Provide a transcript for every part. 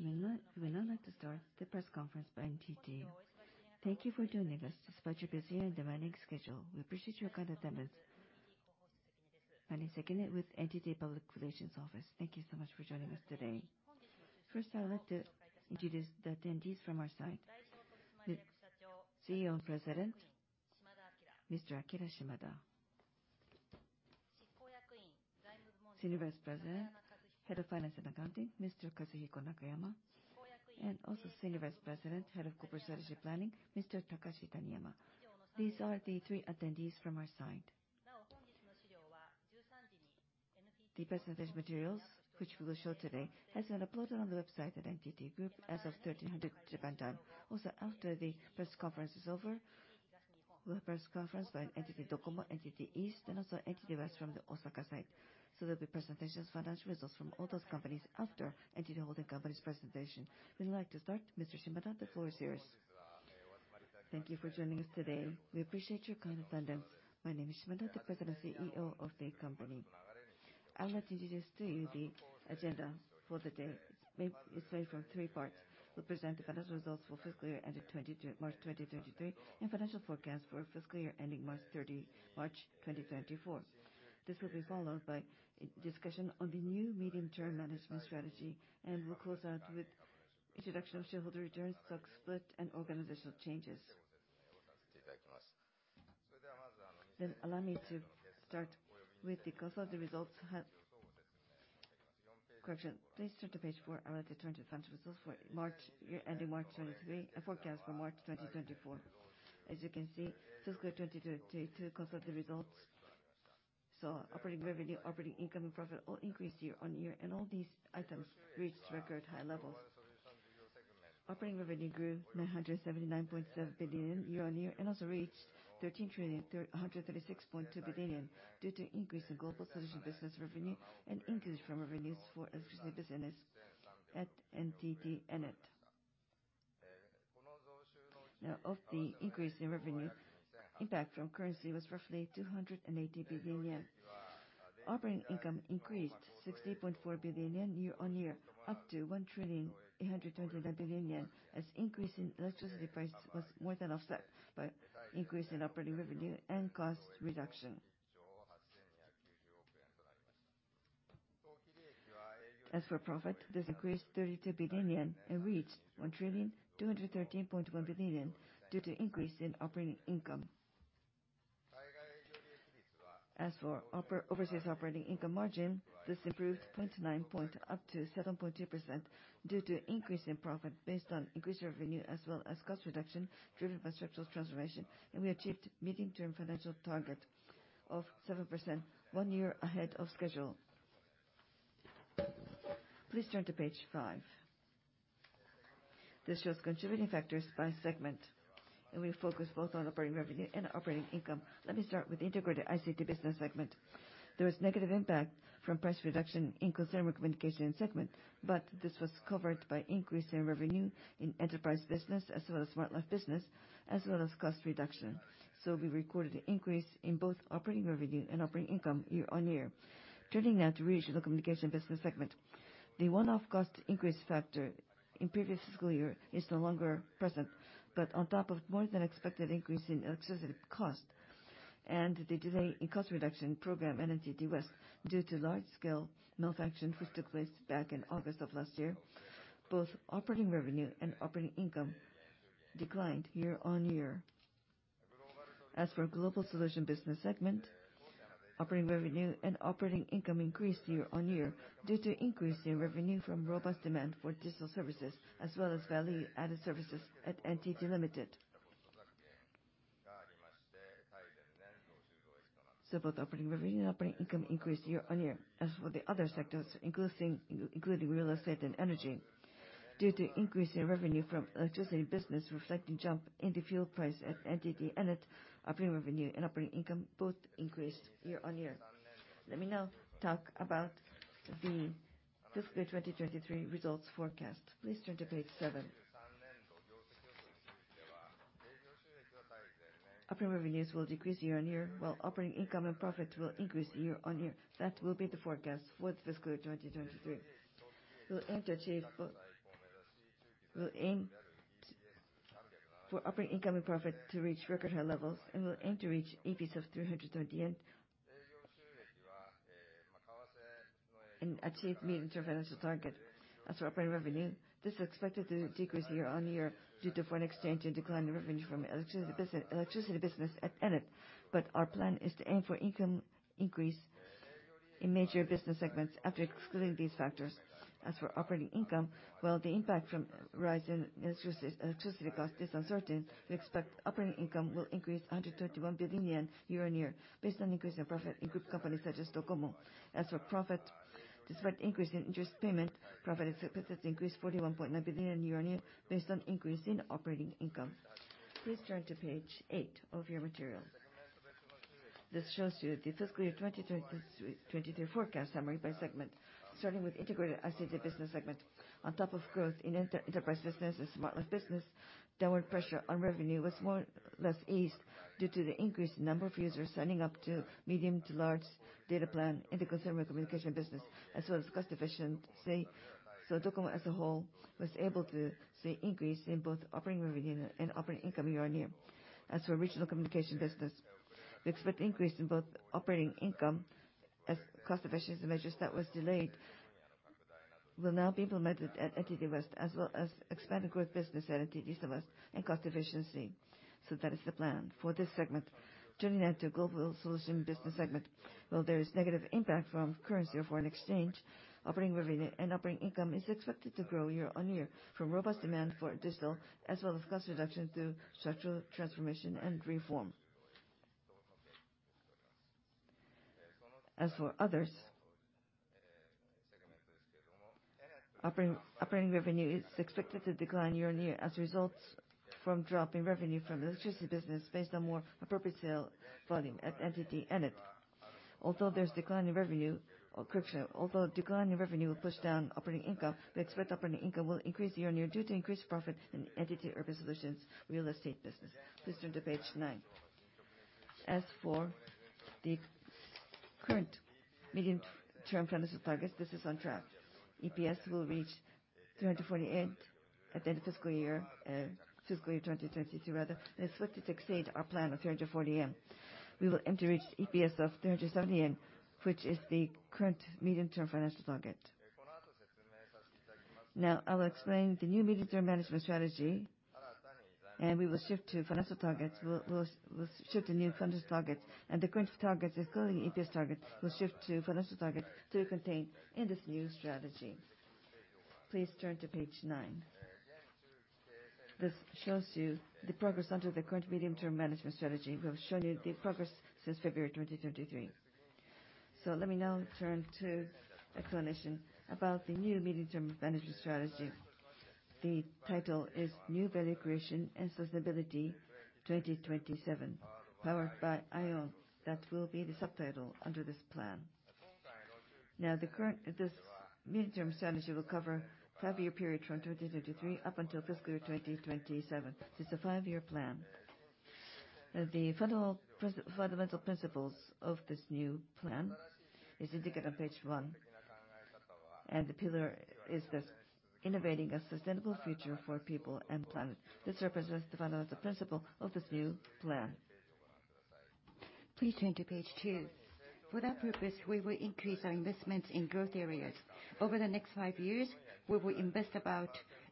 We would now like to start the press conference by NTT. Thank you for joining us despite your busy and demanding schedule. We appreciate your kind attendance. My name is Sekine with NTT Public Relations Office. Thank you so much for joining us today. First, I would like to introduce the attendees from our side. TheChief Executive Officer and President, Mr. Akira Shimada. Senior Vice President, Head of Finance and Accounting, Mr. Kazuhiko Nakayama. Also Senior Vice President, Head of Corporate Strategy Planning, Mr. Takashi Taniyama. These are the three attendees from our side. The presentation materials which we will show today has been uploaded on the website at NTT Group as of 13:00 Japan time. After the press conference is over, we'll have press conference by NTT DOCOMO, NTT East, and also NTT West from the Osaka side. There'll be presentations, financial results from all those companies after NTT holding company's presentation. We'd like to start. Mr. Shimada, the floor is yours. Thank you for joining us today. We appreciate your kind attendance. My name is Shimada, the President and Chief Executive Officer of the company. I would like to introduce to you the agenda for the day. Main is made from three parts. We'll present the financial results for fiscal year ended March 2023, and financial forecast for fiscal year ending March 2024. This will be followed by a discussion on the new medium-term management strategy, we'll close out with introduction of shareholder returns, stock split, and organizational changes. Allow me to start with the consolidated results. Correction. Please turn to page four. I would like to turn to the financial results for March, ending March 2023 and forecast for March 2024. As you can see, fiscal 2022 consolidated results saw operating revenue, operating income, and profit all increase year-on-year and all these items reached record high levels. Operating revenue grew 979.7 billion year-on-year and also reached 13,336.2 billion due to increase in global solution business revenue and increase from revenues for electricity business at NTT Anode Energy. Now, of the increase in revenue, impact from currency was roughly 280 billion yen. Operating income increased 60.4 billion yen year-on-year up to 1.829 trillion, as increase in electricity price was more than offset by increase in operating revenue and cost reduction. As for profit, this increased 32 billion yen and reached JPY 1.213.1 trillion due to increase in operating income. As for overseas operating income margin, this improved 0.9 point up to 7.2% due to increase in profit based on increased revenue as well as cost reduction driven by structural transformation. We achieved meeting term financial target of 7% one year ahead of schedule. Please turn to page five. This shows contributing factors by segment, and we focus both on operating revenue and operating income. Let me start with integrated ICT business segment. There was negative impact from price reduction in consumer communication segment, but this was covered by increase in revenue in enterprise business as well as Smart Life business, as well as cost reduction. We recorded an increase in both operating revenue and operating income year-on-year. Turning now to Regional Communication Business segment. The one-off cost increase factor in previous fiscal year is no longer present. On top of more than expected increase in electricity cost and the delay in cost reduction program at NTT West due to large scale malfunction which took place back in August of last year, both operating revenue and operating income declined year-on-year. As for Global Solution Business segment, operating revenue and operating income increased year-on-year due to increase in revenue from robust demand for digital services as well as value-added services at NTT Ltd. Both operating revenue and operating income increased year-on-year. As for the other sectors, including real estate and energy, due to increase in revenue from electricity business reflecting jump in the fuel price at NTT Ennet, operating revenue and operating income both increased year-on-year. Let me now talk about the fiscal 2023 results forecast. Please turn to page seven. Operating revenues will decrease year-on-year, while operating income and profit will increase year-on-year. That will be the forecast for the fiscal year 2023. We'll aim for operating income and profit to reach record high levels, and we'll aim to reach EPS of 330 yen. Achieve medium-term financial target. As for operating revenue, this is expected to decrease year-on-year due to foreign exchange and decline in revenue from electricity business at Ennet. Our plan is to aim for income increase in major business segments after excluding these factors. As for operating income, while the impact from rise in electricity cost is uncertain, we expect operating income will increase 131 billion yen year-on-year based on increase in profit in group companies such as Docomo. As for profit, despite increase in interest payment, profit is expected to increase 41.9 billion year-on-year based on increase in operating income. Please turn to page eight of your materials. This shows you the fiscal year 2023 forecast summary by segment. Starting with integrated ICT business segment. On top of growth in enterprise business and Smart Life business, downward pressure on revenue was more. less eased due to the increased number of users signing up to medium to large data plan in the consumer communication business, as well as cost efficient. DOCOMO as a whole was able to see increase in both operating revenue and operating income year-on-year. As for regional communication business, we expect increase in both operating income as cost efficiency measures that was delayed will now be implemented at NTT West, as well as expanded growth business at NTT East and West, and cost efficiency. That is the plan for this segment. Turning now to global solution business segment. While there is negative impact from currency or foreign exchange, operating revenue and operating income is expected to grow year-on-year from robust demand for digital, as well as cost reduction through structural transformation and reform. As for others, operating revenue is expected to decline year-on-year as results from drop in revenue from electricity business based on more appropriate sale volume at NTT Anode Energy. Although decline in revenue will push down operating income, we expect operating income will increase year-on-year due to increased profit in NTT Urban Solutions real estate business. Please turn to page 9. As for the current medium-term financial targets, this is on track. EPS will reach 348.6 at the end of fiscal year, fiscal year 2022 rather. It's expected to exceed our plan of 340 yen. We will aim to reach EPS of 370 yen, which is the current medium-term financial target. Now, I will explain the new medium-term management strategy, and we will shift to financial targets. We'll shift to new financial targets. The current targets, including EPS targets, will shift to financial targets to contain in this new strategy. Please turn to page 9. This shows you the progress under the current medium-term management strategy. We've shown you the progress since February 2023. Let me now turn to explanation about the new medium-term management strategy. The title is New Value Creation & Sustainability 2027, powered by IOWN. That will be the subtitle under this plan. The current this medium-term strategy will cover 5-year period from 2023 up until fiscal year 2027. This is a 5-year plan. The fundamental principles of this new plan is indicated on page 1. The pillar is this innovating a sustainable future for people and planet. This represents the fundamental principle of this new plan. Please turn to page 2. For that purpose, we will increase our investment in growth areas. Over the next five years, we will invest about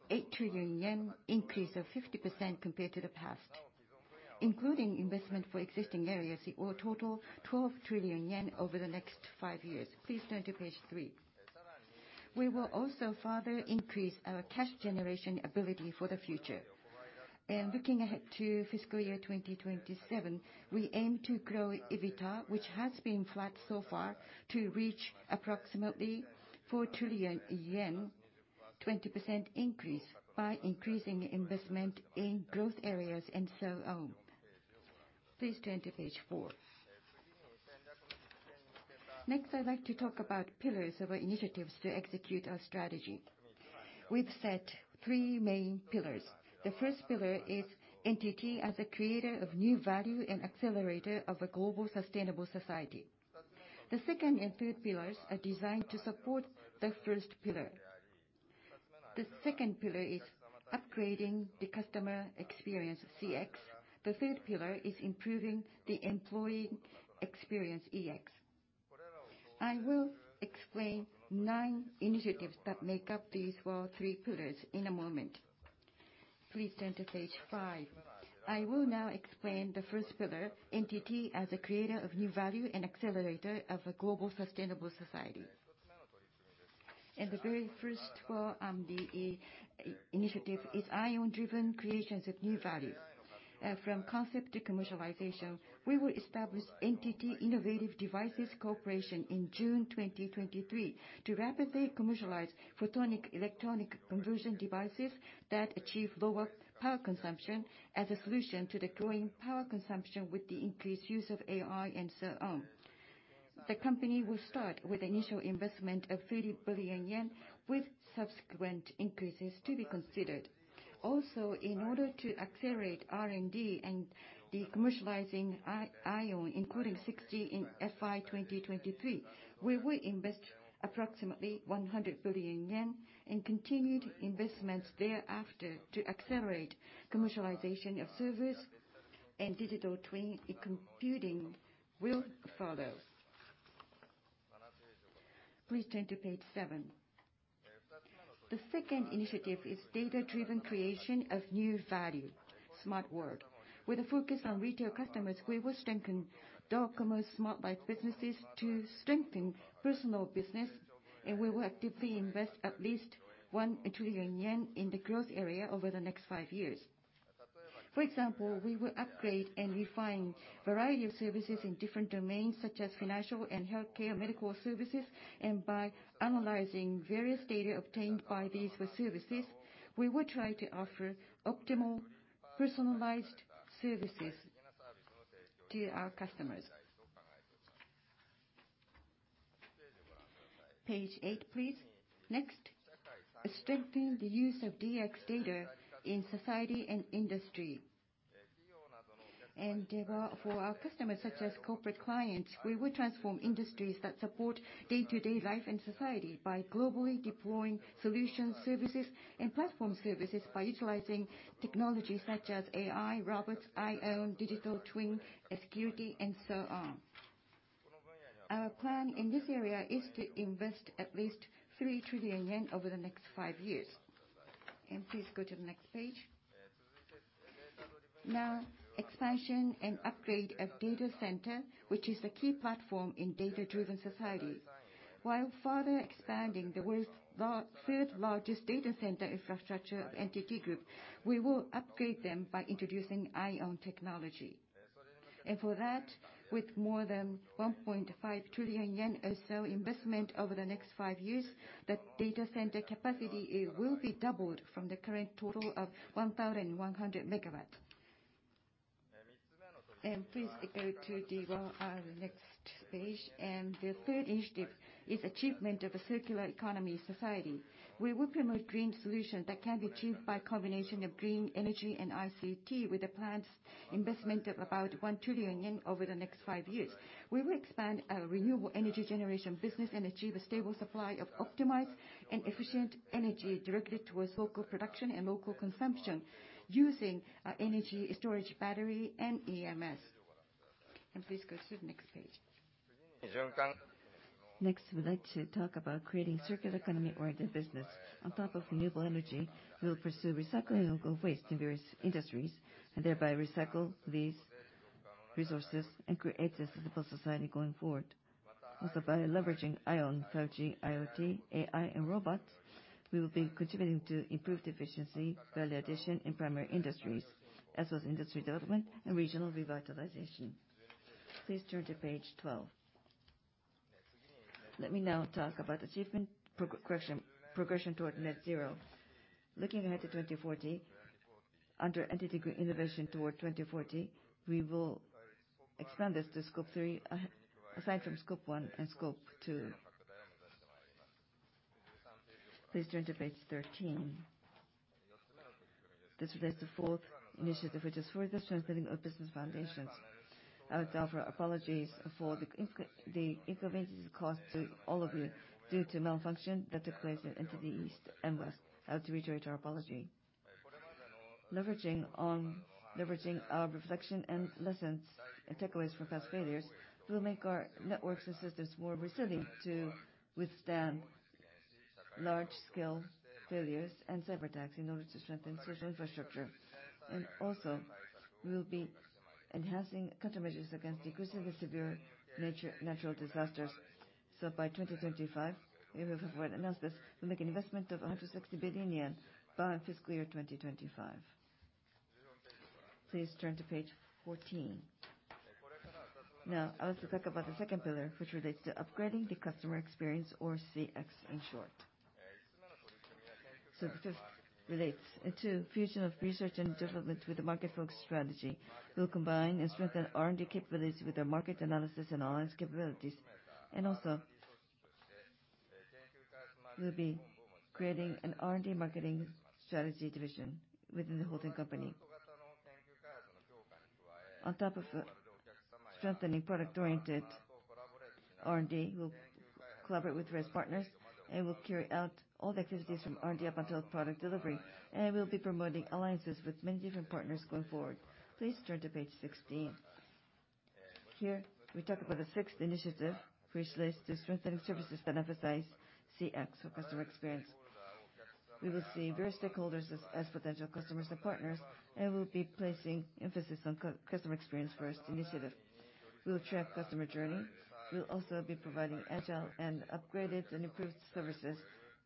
8 trillion yen, increase of 50% compared to the past. Including investment for existing areas, it will total 12 trillion yen over the next five years. Please turn to page three. We will also further increase our cash generation ability for the future. Looking ahead to fiscal year 2027, we aim to grow EBITDA, which has been flat so far, to reach approximately 4 trillion yen, 20% increase by increasing investment in growth areas and so on. Please turn to page four. Next, I'd like to talk about pillars of our initiatives to execute our strategy. We've set 3 main pillars. The first pillar is NTT as a creator of new value and accelerator of a global sustainable society. The second and third pillars are designed to support the first pillar. The second pillar is upgrading the customer experience, CX. The third pillar is improving the employee experience, EX. I will explain 9 initiatives that make up these three pillars in a moment. Please turn to page five. I will now explain the first pillar, NTT as a creator of new value and accelerator of a global sustainable society. The very first core initiative is IOWN-driven creations of new values. From concept to commercialization, we will establish NTT Innovative Devices Corporation in June 2023 to rapidly commercialize photonic electronic conversion devices that achieve lower power consumption as a solution to the growing power consumption with the increased use of AI and so on. The company will start with initial investment of 30 billion yen, with subsequent increases to be considered. In order to accelerate R&D and the commercializing IOWN, including 60 in FY 2023, we will invest approximately 100 billion yen in continued investments thereafter to accelerate commercialization of service and Digital Twin Computing will follow. Please turn to page 7. The second initiative is data-driven creation of new value, smart work. With a focus on retail customers, we will strengthen Docomo's Smart Life businesses to strengthen personal business, and we will actively invest at least 1 trillion yen in the growth area over the next five years. For example, we will upgrade and refine variety of services in different domains, such as financial and healthcare medical services. By analyzing various data obtained by these services, we will try to offer optimal personalized services to our customers. Page 8, please. Next, strengthen the use of DX data in society and industry. For our customers such as corporate clients, we will transform industries that support day-to-day life and society by globally deploying solution services and platform services by utilizing technologies such as AI, robots, IOWN, digital twin, security, and so on. Our plan in this area is to invest at least 3 trillion yen over the next five years. Please go to the next page. Now, expansion and upgrade of data center, which is the key platform in data-driven society. While further expanding the world's 3rd largest data center infrastructure of NTT Group, we will upgrade them by introducing IOWN technology. For that, with more than 1.5 trillion yen or so investment over the next five years, the data center capacity, it will be doubled from the current total of 1,100 megawatt. Please go to the next page. The third initiative is achievement of a circular economy society. We will promote green solutions that can be achieved by combination of green energy and ICT with a planned investment of about 1 trillion yen over the next five years. We will expand our renewable energy generation business and achieve a stable supply of optimized and efficient energy directly towards local production and local consumption using our energy storage battery and EMS. Please go to the next page. Next, we'd like to talk about creating circular economy-oriented business. On top of renewable energy, we'll pursue recycling local waste in various industries and thereby recycle these resources and create a sustainable society going forward. By leveraging IOWN, 5G, IoT, AI, and robots, we will be contributing to improved efficiency, value addition in primary industries, as well as industry development and regional revitalization. Please turn to page 12. Let me now talk about achievement progression toward net zero. Looking ahead to 2040, under NTT Green Innovation toward 2040, we will expand this to Scope 3, aside from Scope 1 and Scope 2. Please turn to page 13. This relates to 4th initiative, which is further strengthening of business foundations. I would offer apologies for the inconvenience and cost to all of you due to malfunction that took place in NTT East and West. I would reiterate our apology. Leveraging our reflection and lessons, in particular from past failures, we will make our networks and systems more resilient to withstand large-scale failures and cyberattacks in order to strengthen social infrastructure. We will be enhancing countermeasures against increasingly severe natural disasters. By 2025, we have already announced this, we'll make an investment of 160 billion yen by fiscal year 2025. Please turn to page 14. Now, I would like to talk about the second pillar, which relates to upgrading the customer experience or CX in short. The first relates to fusion of research and development with the market-focused strategy. We'll combine and strengthen R&D capabilities with our market analysis and alliance capabilities. We'll be creating an R&D Market Strategy Division within the holding company. On top of strengthening product-oriented R&D, we'll collaborate with various partners, and we'll carry out all the activities from R&D up until product delivery. We'll be promoting alliances with many different partners going forward. Please turn to page 16. Here, we talk about the sixth initiative, which relates to strengthening services that emphasize CX or customer experience. We will see various stakeholders as potential customers and partners, and we'll be placing emphasis on customer experience-first initiative. We will track customer journey. We'll also be providing agile and upgraded and improved services,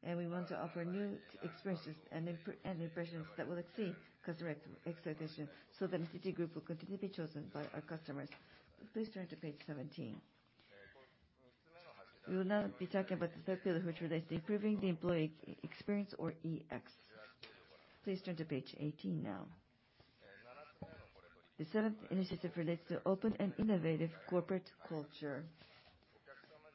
and we want to offer new experiences and impressions that will exceed customer expectation so that NTT Group will continue to be chosen by our customers. Please turn to page 17. We will now be talking about the third pillar, which relates to improving the employee experience or EX. Please turn to page 18 now. The 7th initiative relates to open and innovative corporate culture.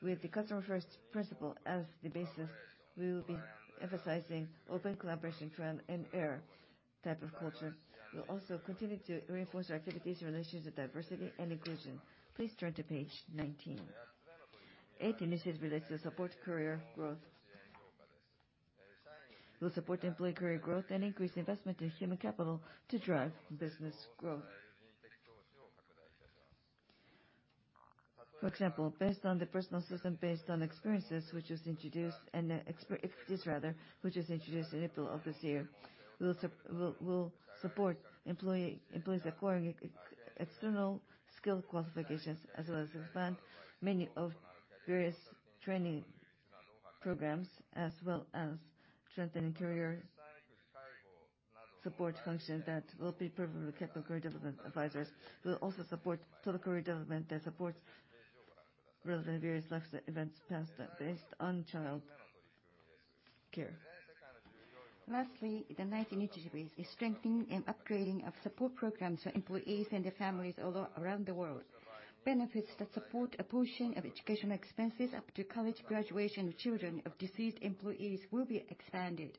With the customer-first principle as the basis, we will be emphasizing open collaboration trial and error type of culture. We'll also continue to reinforce our activities in relation to diversity and inclusion. Please turn to page 19. 8th initiative relates to support career growth. We'll support employee career growth and increase investment in human capital to drive business growth. For example, based on the personal system, based on experience rather, which was introduced in April of this year, we will support employees acquiring external skill qualifications, as well as expand many of various training programs, as well as strengthening career support functions that will be performed by career development advisors. We'll also support total career development that supports relevant various life events past that based on child-. Lastly, the ninth initiative is strengthening and upgrading of support programs for employees and their families all around the world. Benefits that support a portion of educational expenses up to college graduation of children of deceased employees will be expanded.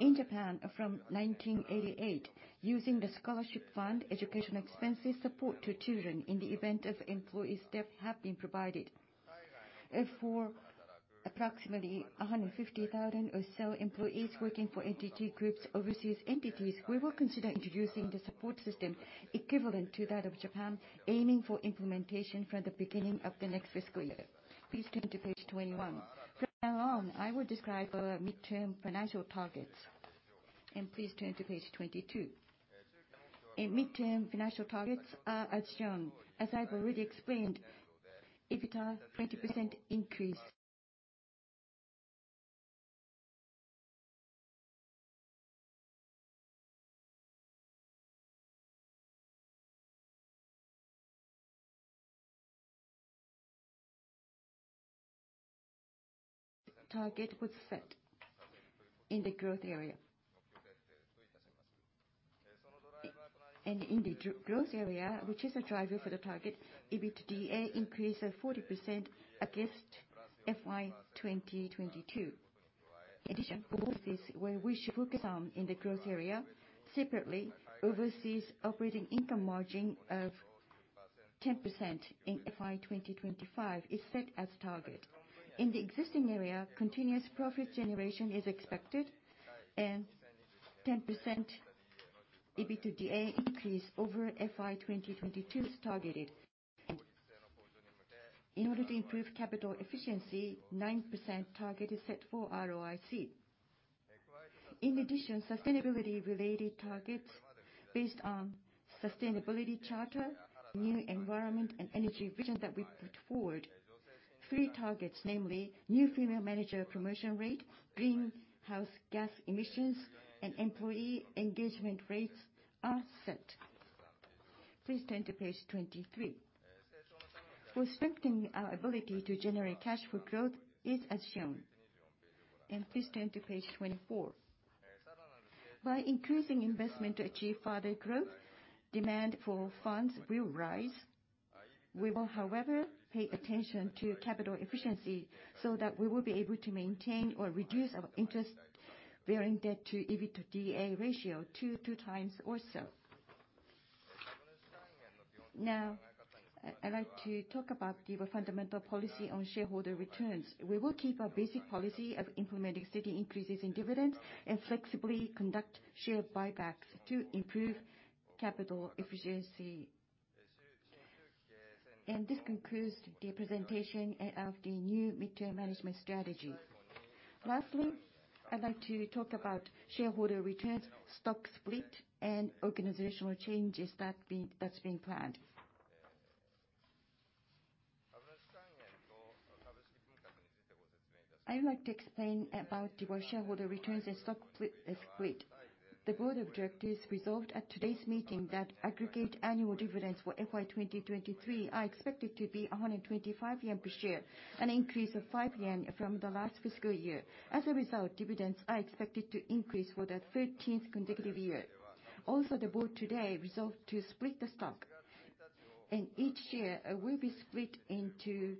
In Japan, from 1988, using the scholarship fund, educational expenses support to children in the event of employees' death have been provided. For approximately 150,000 or so employees working for NTT Group's overseas entities, we will consider introducing the support system equivalent to that of Japan, aiming for implementation from the beginning of the next fiscal year. Please turn to page 21. From now on, I will describe our midterm financial targets. Please turn to page 22. In midterm, financial targets are as shown. As I've already explained, EBITDA 20% increase. Target was set in the growth area. In the growth area, which is a driver for the target, EBITDA increase of 40% against FY2022. In addition to growth, where we should focus on in the growth area, separately, overseas operating income margin of 10% in FY2025 is set as target. In the existing area, continuous profit generation is expected and 10% EBITDA increase over FY2022 is targeted. In order to improve capital efficiency, 9% target is set for ROIC. In addition, sustainability-related targets based on Sustainability Charter, New Environment and Energy Vision that we put forward, 3 targets, namely new female manager promotion rate, greenhouse gas emissions, and employee engagement rates are set. Please turn to page 23. For strengthening our ability to generate cash for growth is as shown. Please turn to page 24. By increasing investment to achieve further growth, demand for funds will rise. We will, however, pay attention to capital efficiency so that we will be able to maintain or reduce our interest-bearing debt to EBITDA ratio to two times or so. I'd like to talk about the fundamental policy on shareholder returns. We will keep our basic policy of implementing steady increases in dividends and flexibly conduct share buybacks to improve capital efficiency. This concludes the presentation of the new midterm management strategy. Lastly, I'd like to talk about shareholder returns, stock split, and organizational changes that's being planned. I would like to explain about the shareholder returns and stock split. The board of directors resolved at today's meeting that aggregate annual dividends for FY2023 are expected to be 125 yen per share, an increase of 5 yen from the last fiscal year. As a result, dividends are expected to increase for the 13th consecutive year. The board today resolved to split the stock, and each share will be split into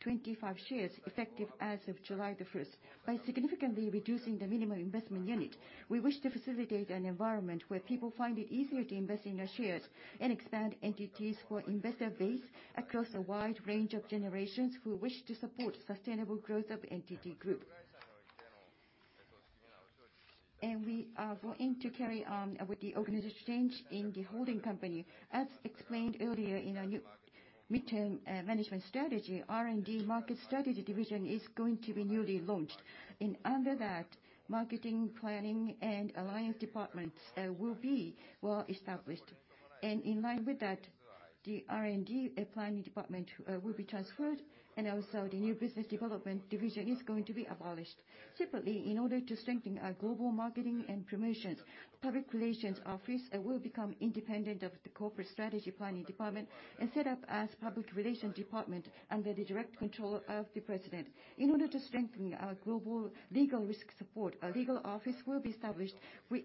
25 shares effective as of July the 1st. By significantly reducing the minimum investment unit, we wish to facilitate an environment where people find it easier to invest in our shares and expand NTT's core investor base across a wide range of generations who wish to support sustainable growth of NTT Group. We are going to carry on with the organizational change in the holding company. As explained earlier in our new midterm management strategy, R&D Market Strategy Division is going to be newly launched. Under that, Marketing, Planning, and Alliance departments will be well-established. In line with that, the R&D Planning Department will be transferred, and also the new Business Development Division is going to be abolished. Separately, in order to strengthen our global marketing and promotions, Public Relations Office will become independent of the Corporate Strategy Planning Department and set up as Public Relations Department under the direct control of the President. In order to strengthen our global legal risk support, a legal office will be established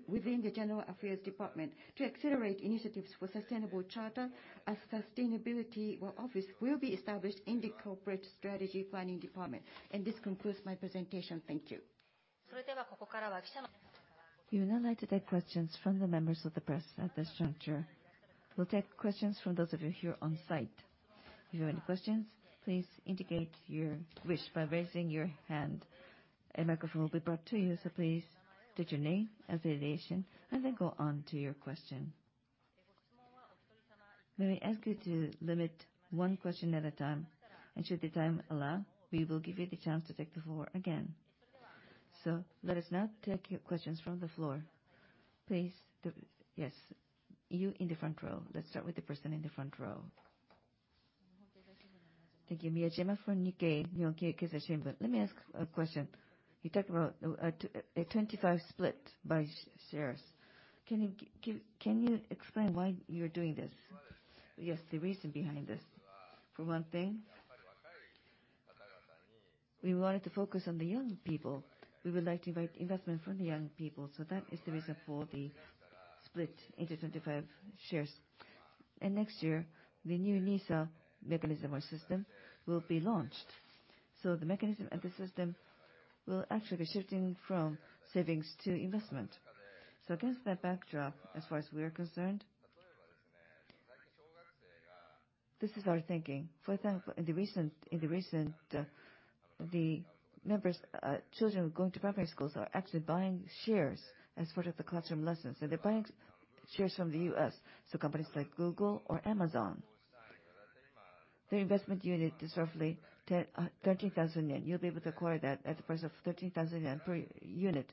within the General Affairs Department. To accelerate initiatives for sustainable charter, a Sustainability Office will be established in the Corporate Strategy Planning Department. This concludes my presentation. Thank you. We would now like to take questions from the members of the press at this juncture. We'll take questions from those of you here on site. If you have any questions, please indicate your wish by raising your hand. A microphone will be brought to you, so please state your name, affiliation, and then go on to your question. May we ask you to limit one question at a time, and should the time allow, we will give you the chance to take the floor again. Let us now take questions from the floor. Please, Yes, you in the front row. Let's start with the person in the front row. Thank you. Miyajima from Nikkei, Nihon Keizai Shimbun. Let me ask a question. You talked about a 25 split by shares. Can you explain why you're doing this? Yes, the reason behind this? For one thing, we wanted to focus on the young people. We would like to invite investment from the young people, so that is the reason for the split into 25 shares. Next year, the new NISA mechanism or system will be launched. The mechanism of the system will actually be shifting from savings to investment. Against that backdrop, as far as we are concerned, this is our thinking. For example, in the recent, the members, children going to primary schools are actually buying shares as part of the classroom lessons, and they're buying shares from the U.S., so companies like Google or Amazon. The investment unit is roughly 30,000 yen. You'll be able to acquire that at the price of 30,000 yen per unit.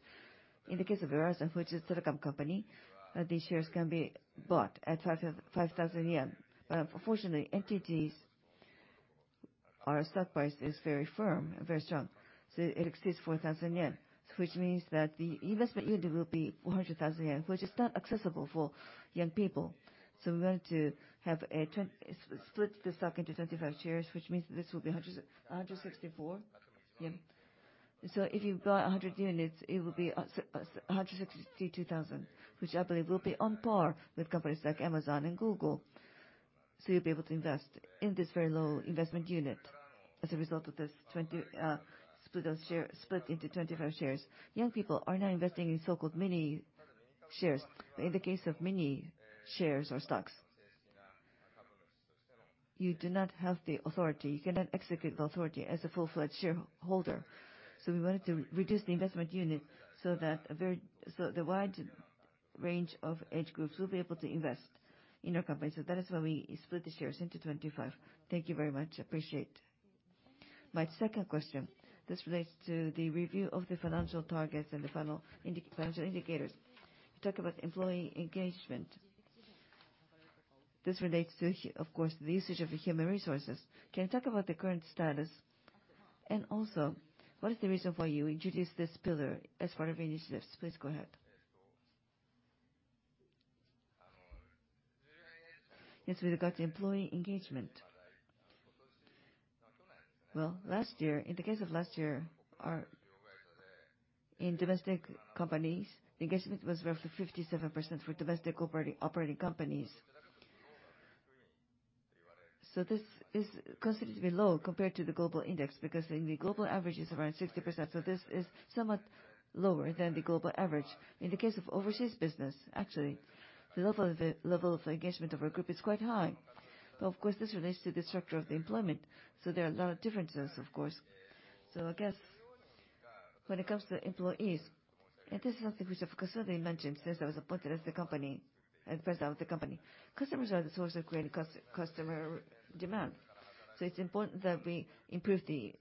In the case of Amazon, which is a telecom company, these shares can be bought at 5,000 yen. Unfortunately, NTT's, our stock price is very firm, very strong, so it exceeds 4,000 yen, which means that the investment unit will be 400,000 yen, which is not accessible for young people. We want to have a split the stock into 25 shares, which means this will be 164? Yeah. If you buy 100 units, it will be 162,000, which I believe will be on par with companies like Amazon and Google. You'll be able to invest in this very low investment unit as a result of this split into 25 shares. Young people are now investing in so-called mini shares. In the case of mini shares or stocks, you do not have the authority, you cannot execute the authority as a full-fledged shareholder. We wanted to reduce the investment unit so that the wide range of age groups will be able to invest in our company. That is why we split the shares into 25. Thank you very much. Appreciate. My second question, this relates to the review of the financial targets and the final financial indicators. You talked about employee engagement. This relates to of course, the usage of the human resources. Can you talk about the current status? What is the reason why you introduced this pillar as part of initiatives? Please go ahead. Yes, with regard to employee engagement. Well, last year, in the case of last year, our, in domestic companies, engagement was roughly 57% for domestic operating companies. This is considered to be low compared to the global index because in the global average is around 60%, this is somewhat lower than the global average. In the case of overseas business, actually, the level of engagement of our group is quite high. Of course, this relates to the structure of the employment, there are a lot of differences, of course. I guess when it comes to employees, and this is something which I've constantly mentioned since I was appointed as the company, as president of the company, customers are the source of creating customer demand. It's important that we improve the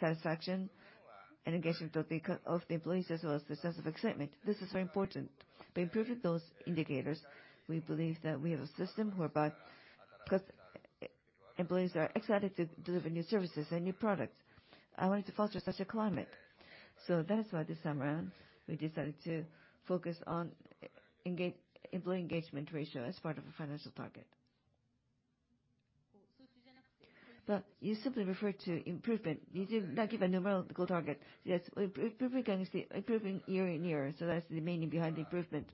satisfaction and engagement of the employees, as well as the sense of excitement. This is very important. By improving those indicators, we believe that we have a system whereby employees are excited to deliver new services and new products. I wanted to foster such a climate. That is why this time around, we decided to focus on employee engagement ratio as part of a financial target. You simply referred to improvement. You did not give a numerical target. We're improving year-on-year, that's the meaning behind the improvement.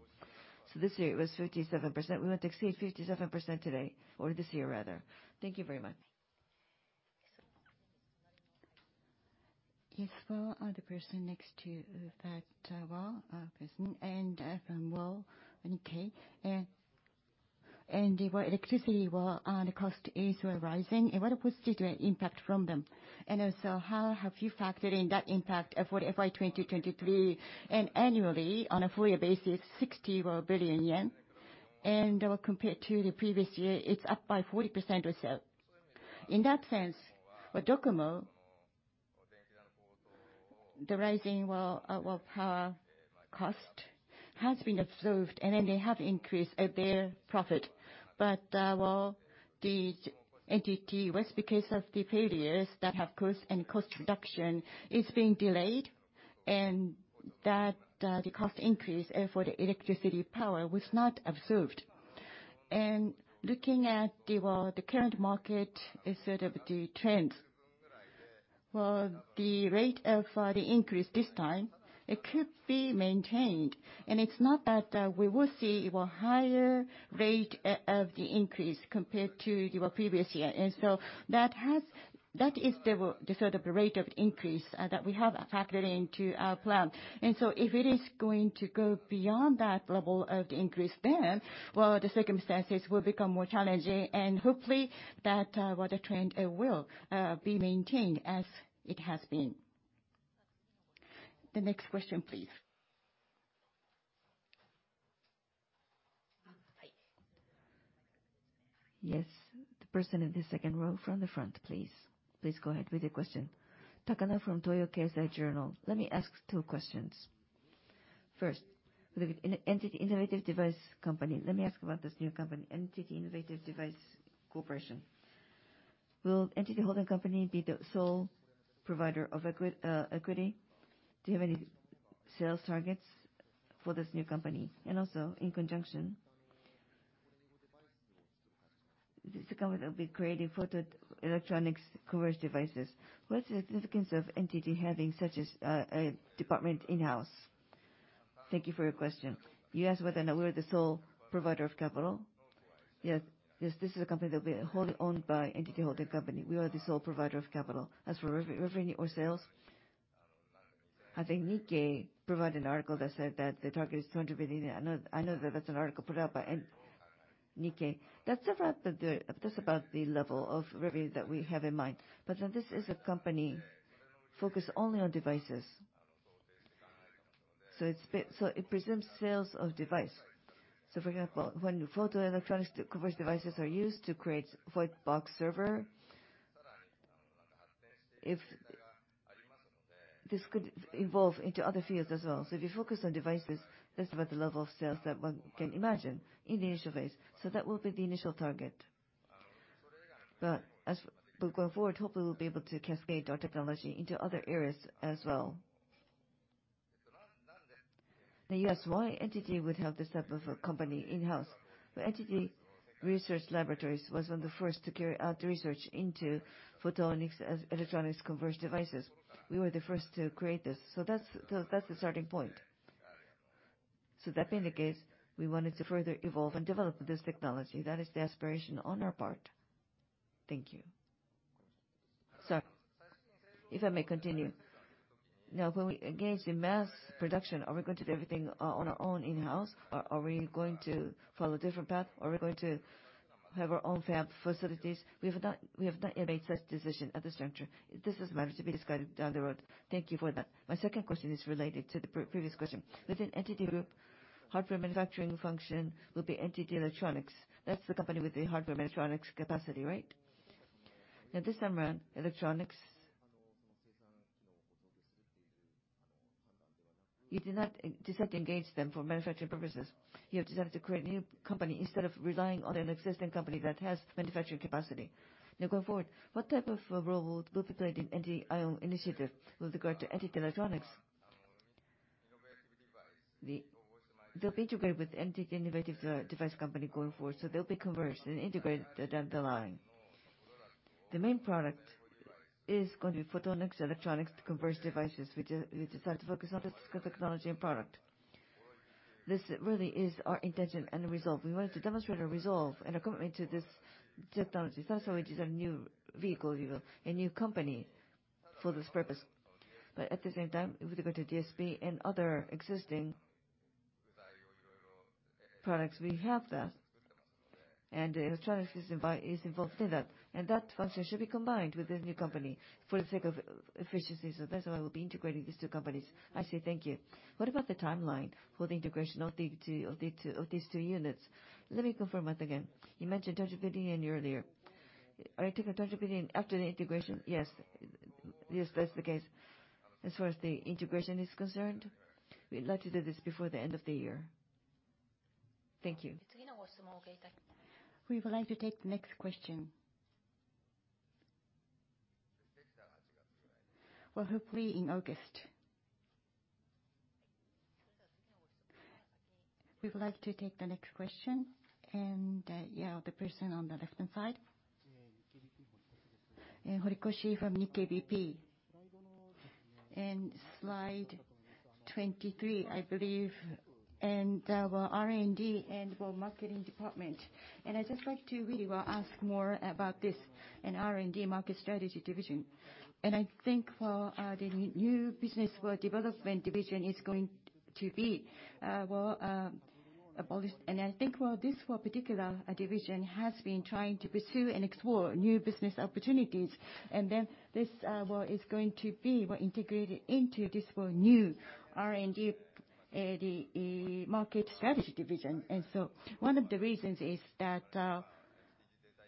This year it was 57%. We want to exceed 57% today or this year rather. Thank you very much. Yes. For the person next to that row person from row on U.K. The electricity bill, the cost is rising. What is the direct impact from them? Also, how have you factored in that impact for FY2023? Annually, on a full year basis, 60 billion yen. Compared to the previous year, it's up by 40% or so. In that sense, with Docomo, the rising, well, well, power cost has been absorbed, then they have increased their profit. Well, the NTT WEST, because of the failures that have caused and cost reduction is being delayed, that the cost increase for the electricity power was not absorbed. Looking at the, well, the current market instead of the trends, well, the rate of the increase this time, it could be maintained. It's not that we will see, well, higher rate of the increase compared to the previous year. That has, that is the sort of rate of increase that we have factored into our plan. If it is going to go beyond that level of increase, then, well, the circumstances will become more challenging. Hopefully that weather trend will be maintained as it has been. The next question, please. Yes. The person in the second row from the front, please. Please go ahead with your question. Takano from Toyo Keizai journal. Let me ask 2 questions. First, with the NTT Innovative Devices Corporation, let me ask about this new company, NTT Innovative Devices Corporation. Will NTT Holding Company be the sole provider of equity? Do you have any sales targets for this new company? In conjunction, this account will be creating photonics-electronics convergence devices. What's the significance of NTT having such as a department in-house? Thank you for your question. You asked whether or not we're the sole provider of capital. Yes. This is a company that will be wholly owned by NTT Holding Company. We are the sole provider of capital. As for revenue or sales, I think Nikkei provided an article that said that the target is 200 billion. I know that that's an article put out by Nikkei. That's about the, that's about the level of revenue that we have in mind. Now this is a company focused only on devices. It presumes sales of device. For example, when photonics-electronics convergence devices are used to create white box server, if this could evolve into other fields as well. If you focus on devices, that's about the level of sales that one can imagine in the initial phase. That will be the initial target. As we go forward, hopefully we'll be able to cascade our technology into other areas as well. Now you ask why NTT would have this type of a company in-house? Well, NTT Research Laboratories was one of the first to carry out research into photonics-electronics convergence devices. We were the first to create this. That's the starting point. That being the case, we wanted to further evolve and develop this technology. That is the aspiration on our part. Thank you. If I may continue. Now, when we engage in mass production, are we going to do everything on our own in-house, or are we going to follow a different path? Are we going to have our own fab facilities? We have not yet made such decision at this juncture. This is a matter to be discussed down the road. Thank you for that. My second question is related to the previous question. Within NTT Group, hardware manufacturing function will be NTT Electronics. That's the company with the hardware electronics capacity, right? Now, this time around, electronics. You did not decide to engage them for manufacturing purposes. You have decided to create a new company instead of relying on an existing company that has manufacturing capacity. Going forward, what type of a role will be played in NTT IO Initiative with regard to NTT Electronics? They'll be integrated with NTT Innovative Devices Corporation going forward, so they'll be converged and integrated down the line. The main product is going to be photonics, electronics, converged devices. We decide to focus on this technology and product. This really is our intention and resolve. We wanted to demonstrate our resolve and our commitment to this technology. First of all, it is a new vehicle, if you will, a new company for this purpose. At the same time, with regard to DSP and other existing products, we have that. The electronics system is involved in that. That function should be combined with the new company for the sake of efficiency. That's why we'll be integrating these two companies. I see. Thank you. What about the timeline for the integration of the two of these two units? Let me confirm once again. You mentioned JPY 200 billion earlier. Are you talking JPY 200 billion after the integration? Yes. Yes, that's the case. As far as the integration is concerned, we'd like to do this before the end of the year. Thank you. We would like to take the next question. Well, hopefully in August. We would like to take the next question and, the person on the left-hand side. Horikoshi from Nikkei BP. In slide 23, I believe, and R&D and for marketing department, I'd just like to really ask more about this in R&D Market Strategy Division. I think for the new business for development division is going to be abolished. I think this one particular division has been trying to pursue and explore new business opportunities. This is going to be integrated into this new R&D, the market strategy division. One of the reasons is that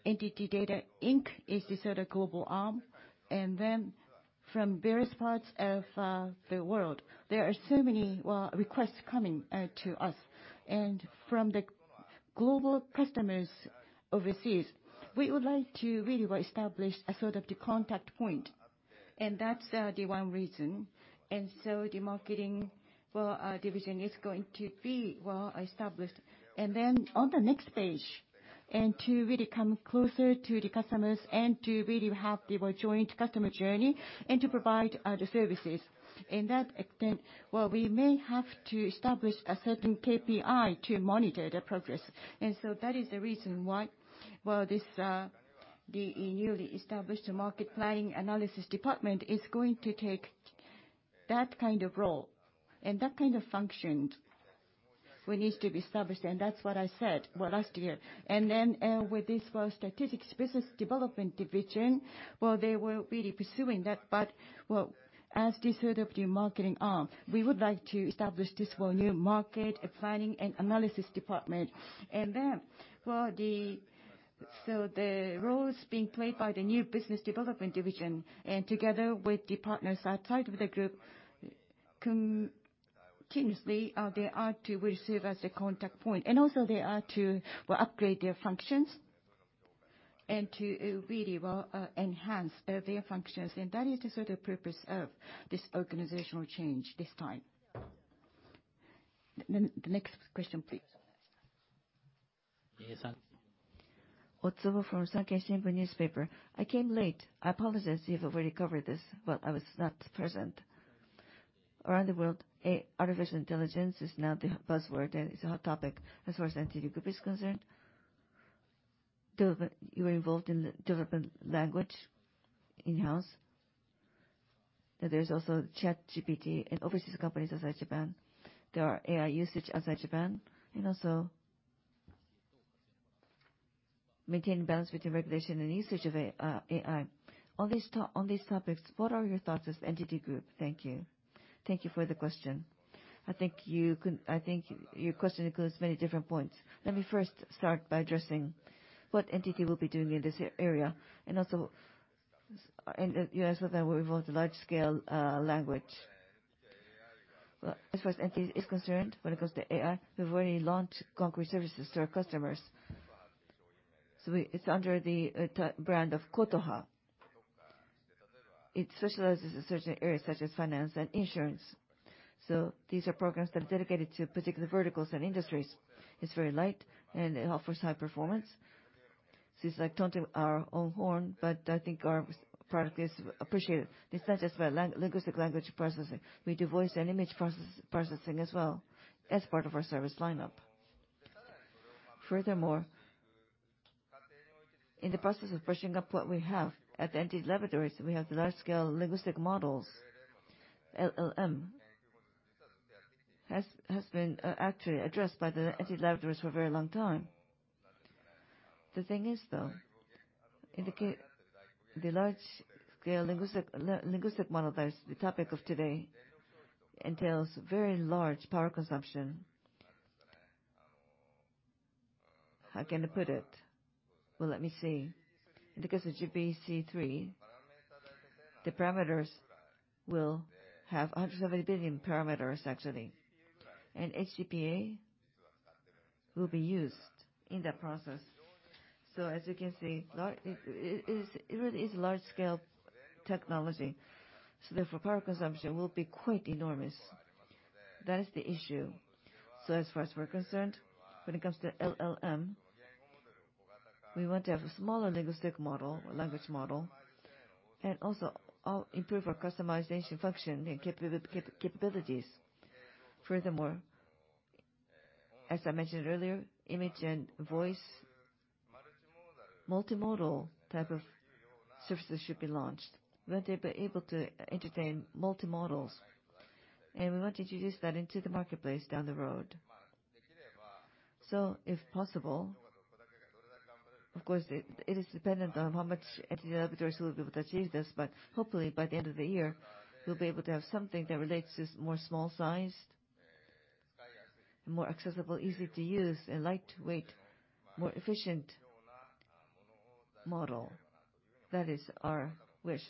NTT DATA, Inc. is the sort of global arm. From various parts of the world, there are so many requests coming to us. From the global customers overseas, we would like to really, well, establish a sort of the contact point. That's the one reason. The marketing, well, division is going to be, well, established. On the next page, to really come closer to the customers and to really have the, well, joint customer journey and to provide the services. In that extent, well, we may have to establish a certain KPI to monitor the progress. That is the reason why, well, this, the newly established market planning analysis department is going to take that kind of role. That kind of function will need to be established, and that's what I said, well, last year. With this, well, statistics business development division, well, they were really pursuing that. Well, as this sort of new marketing arm, we would like to establish this, well, New Market Planning and Analysis Department. So the roles being played by the New Business Development Division and together with the partners outside of the group. Continuously, they are to receive as a contact point, also they are to, well, upgrade their functions and to really, well, enhance their functions. That is the sort of purpose of this organizational change this time. The next question, please, from Newspaper. I came late. I apologize if you've already covered this, but I was not present. Around the world, artificial intelligence is now the buzzword, and it's a hot topic. As far as NTT Group is concerned, you were involved in the development language in-house. There is also ChatGPT and overseas companies outside Japan. There are AI usage outside Japan, also maintain balance between regulation and usage of AI. On these topics, what are your thoughts as NTT Group? Thank you. Thank you for the question. I think your question includes many different points. Let me first start by addressing what NTT will be doing in this area, and also, you asked whether we've involved large scale language. Well, as far as NTT is concerned, when it comes to AI, we've already launched concrete services to our customers. It's under the brand of Kotoha. It specializes in certain areas such as finance and insurance. These are programs that are dedicated to particular verticals and industries. It's very light, and it offers high performance. Seems like tooting our own horn, but I think our product is appreciated. It's not just about linguistic language processing. We do voice and image processing as well as part of our service lineup. In the process of brushing up what we have at NTT Laboratories, we have the large scale linguistic models, LLM. Has been actually addressed by the NTT Laboratories for a very long time. The thing is, though, the large scale linguistic model that is the topic of today entails very large power consumption. How can I put it? Well, let me see. In the case of GPT-3, the parameters will have 170 billion parameters, actually. HPA will be used in that process. As you can see, it really is large scale technology, so therefore, power consumption will be quite enormous. That is the issue. As far as we're concerned, when it comes to LLM, we want to have a smaller linguistic model or language model and also improve our customization function and capabilities. Furthermore, as I mentioned earlier, image and voice, multimodal type of services should be launched. We want to be able to entertain multimodals, and we want to introduce that into the marketplace down the road. If possible, of course, it is dependent on how much NTT Laboratories will be able to achieve this, but hopefully by the end of the year, we'll be able to have something that relates to more small-sized, more accessible, easy-to-use and lightweight, more efficient model. That is our wish.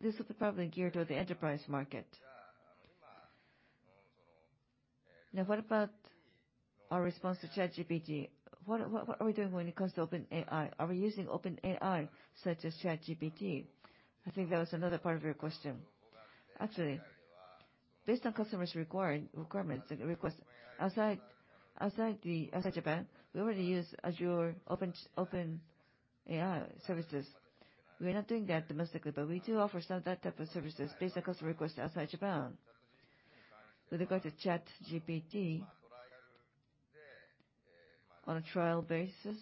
This will be probably geared toward the enterprise market. What about our response to ChatGPT? What are we doing when it comes to OpenAI? Are we using OpenAI such as ChatGPT? I think that was another part of your question. Based on customers' requirements and requests, outside Japan, we already use Azure OpenAI services. We are not doing that domestically, but we do offer some of that type of services based on customer requests outside Japan. With regard to ChatGPT, on a trial basis,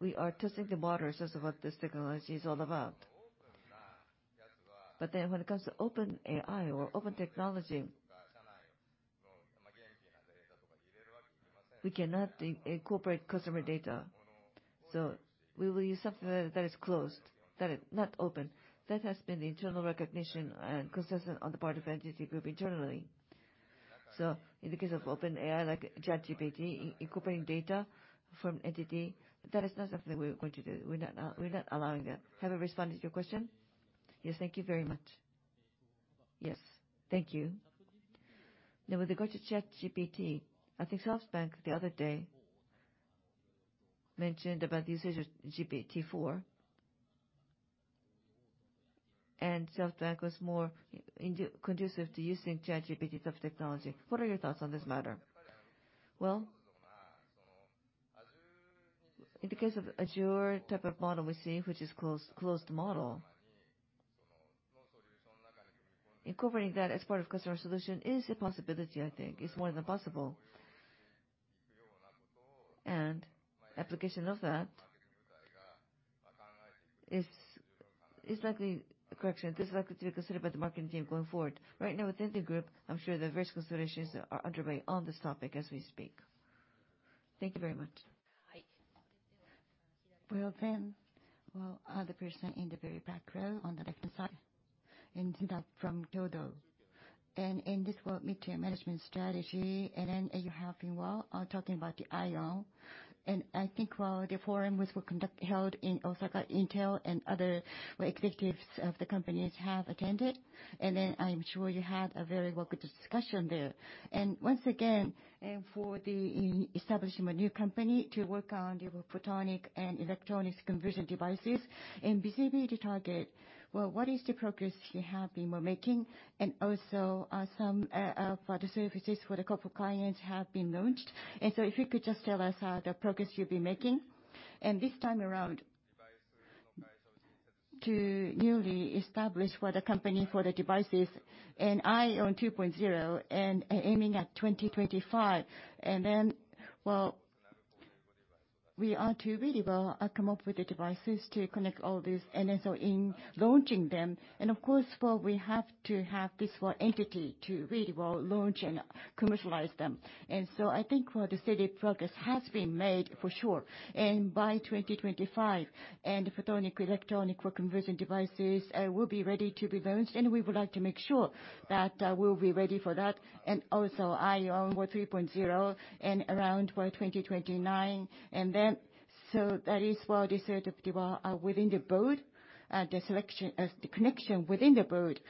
we are testing the waters as to what this technology is all about. When it comes to OpenAI or open technology, we cannot incorporate customer data. We will use something that is closed, that is not open. That has been the internal recognition and consensus on the part of NTT Group internally. In the case of OpenAI, like ChatGPT incorporating data from NTT, that is not something we are going to do. We're not allowing that. Have I responded to your question? Yes, thank you very much. Yes. Thank you. Now, with regard to ChatGPT, I think SoftBank the other day mentioned about the usage of GPT-4. SoftBank was more conducive to using ChatGPT type of technology. What are your thoughts on this matter? In the case of Azure type of model we're seeing, which is closed model, incorporating that as part of customer solution is a possibility, I think. It's more than possible. Application of that is likely correction. This is likely to be considered by the marketing team going forward. Right now, within the group, I'm sure that various considerations are underway on this topic as we speak. Thank you very much. Then, the person in the very back row on the left-hand side. From Kyodo. In this, well, mid-term management strategy, you have been, well, talking about the IOWN. I think, well, the forum was conducted, held in Osaka. Intel and other, well, executives of the companies have attended. I am sure you had a very good discussion there. Once again, for the establishing a new company to work on the photonic and electronics conversion devices, basically the target. Well, what is the progress you have been, well, making? Also, some for the services for the couple clients have been launched. If you could just tell us the progress you've been making. This time around to newly establish for the company for the devices, IOWN 2.0 aiming at 2025. Well, we are to really, well, come up with the devices to connect all this. In launching them, and of course, well, we have to have this, well, entity to really, well, launch and commercialize them. I think, well, the steady progress has been made for sure. By 2025, and photonic electronic conversion devices will be ready to be launched, and we would like to make sure that we'll be ready for that. Also IOWN, well, 3.0 and around, well, 2029. That is, well, the certificate, well, within the board, the selection, the connection within the board,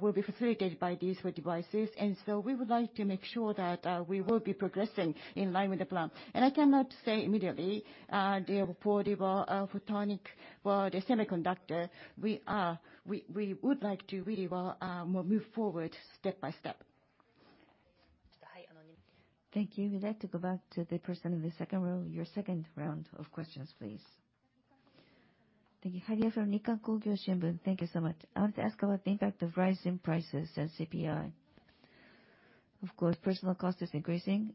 will be facilitated by these four devices. We would like to make sure that we will be progressing in line with the plan. I cannot say immediately, the portable, photonic, well, the semiconductor, we would like to really, well, move forward step by step. Thank you. We'd like to go back to the person in the second row. Your second round of questions, please. Thank you. from Nikkan Kogyo Shimbun. Thank you so much. I want to ask about the impact of rising prices and CPI. Of course, personnel cost is increasing,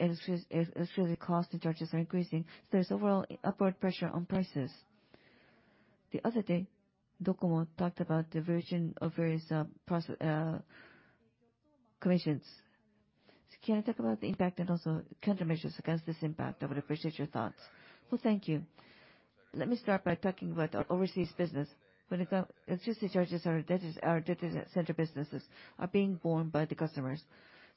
electricity costs and charges are increasing. There's overall upward pressure on prices. The other day, DOCOMO talked about the version of various price commissions. Can I talk about the impact and also countermeasures against this impact? I would appreciate your thoughts. Well, thank you. Let me start by talking about our overseas business. Electricity charges, our data center businesses are being borne by the customers.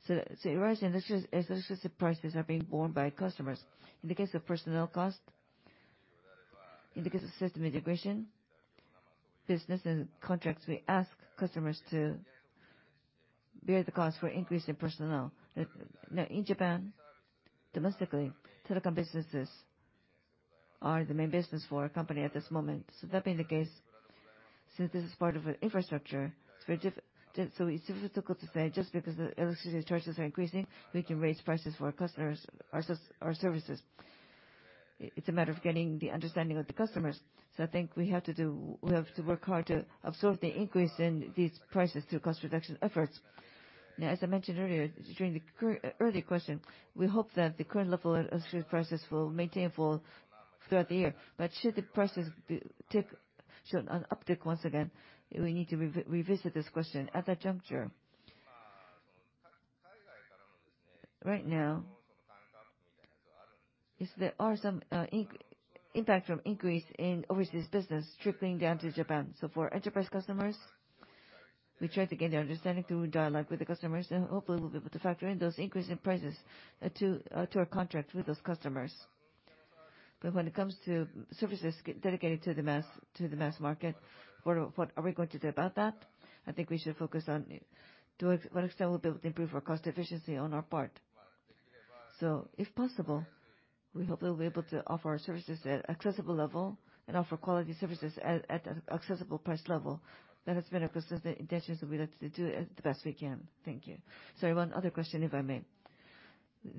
A rise in electricity prices are being borne by customers. In the case of personnel cost, system integration, business and contracts, we ask customers to bear the cost for increase in personnel. In Japan, domestically, telecom businesses are the main business for our company at this moment. That being the case, since this is part of an infrastructure, it's very difficult, so it's difficult to say just because the electricity charges are increasing, we can raise prices for our customers, our services. It's a matter of getting the understanding of the customers. I think we have to do, we have to work hard to absorb the increase in these prices through cost reduction efforts. As I mentioned earlier, during the early question, we hope that the current level of electricity prices will maintain for throughout the year. Should the prices take an uptick once again, we need to revisit this question at that juncture. Right now, yes, there are some impact from increase in overseas business trickling down to Japan. For enterprise customers, we try to get the understanding through dialogue with the customers, and hopefully we'll be able to factor in those increase in prices, to our contracts with those customers. When it comes to services dedicated to the mass market, what are we going to do about that? I think we should focus on to what extent we'll be able to improve our cost efficiency on our part. If possible, we hope that we'll be able to offer our services at accessible level and offer quality services at an accessible price level. That has been our consistent intentions, and we'd like to do it the best we can. Thank you. Sorry, one other question, if I may.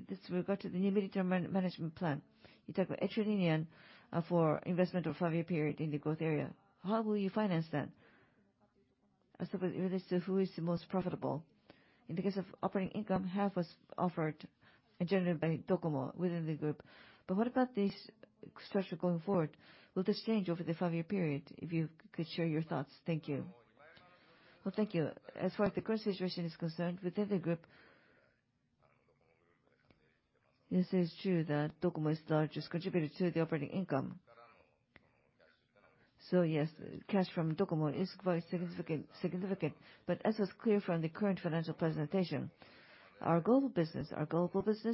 This regard to the new mid-term management plan. You talk about JPY 8 trillion for investment over a five-year period in the growth area. How will you finance that? As to who is the most profitable. In the case of operating income, half was offered and generated by DOCOMO within the group. What about this structure going forward? Will this change over the five-year period? If you could share your thoughts. Thank you. Well, thank you. As far as the current situation is concerned, within the group, this is true that DOCOMO is the largest contributor to the operating income. Yes, cash from DOCOMO is quite significant. As was clear from the current financial presentation, our global business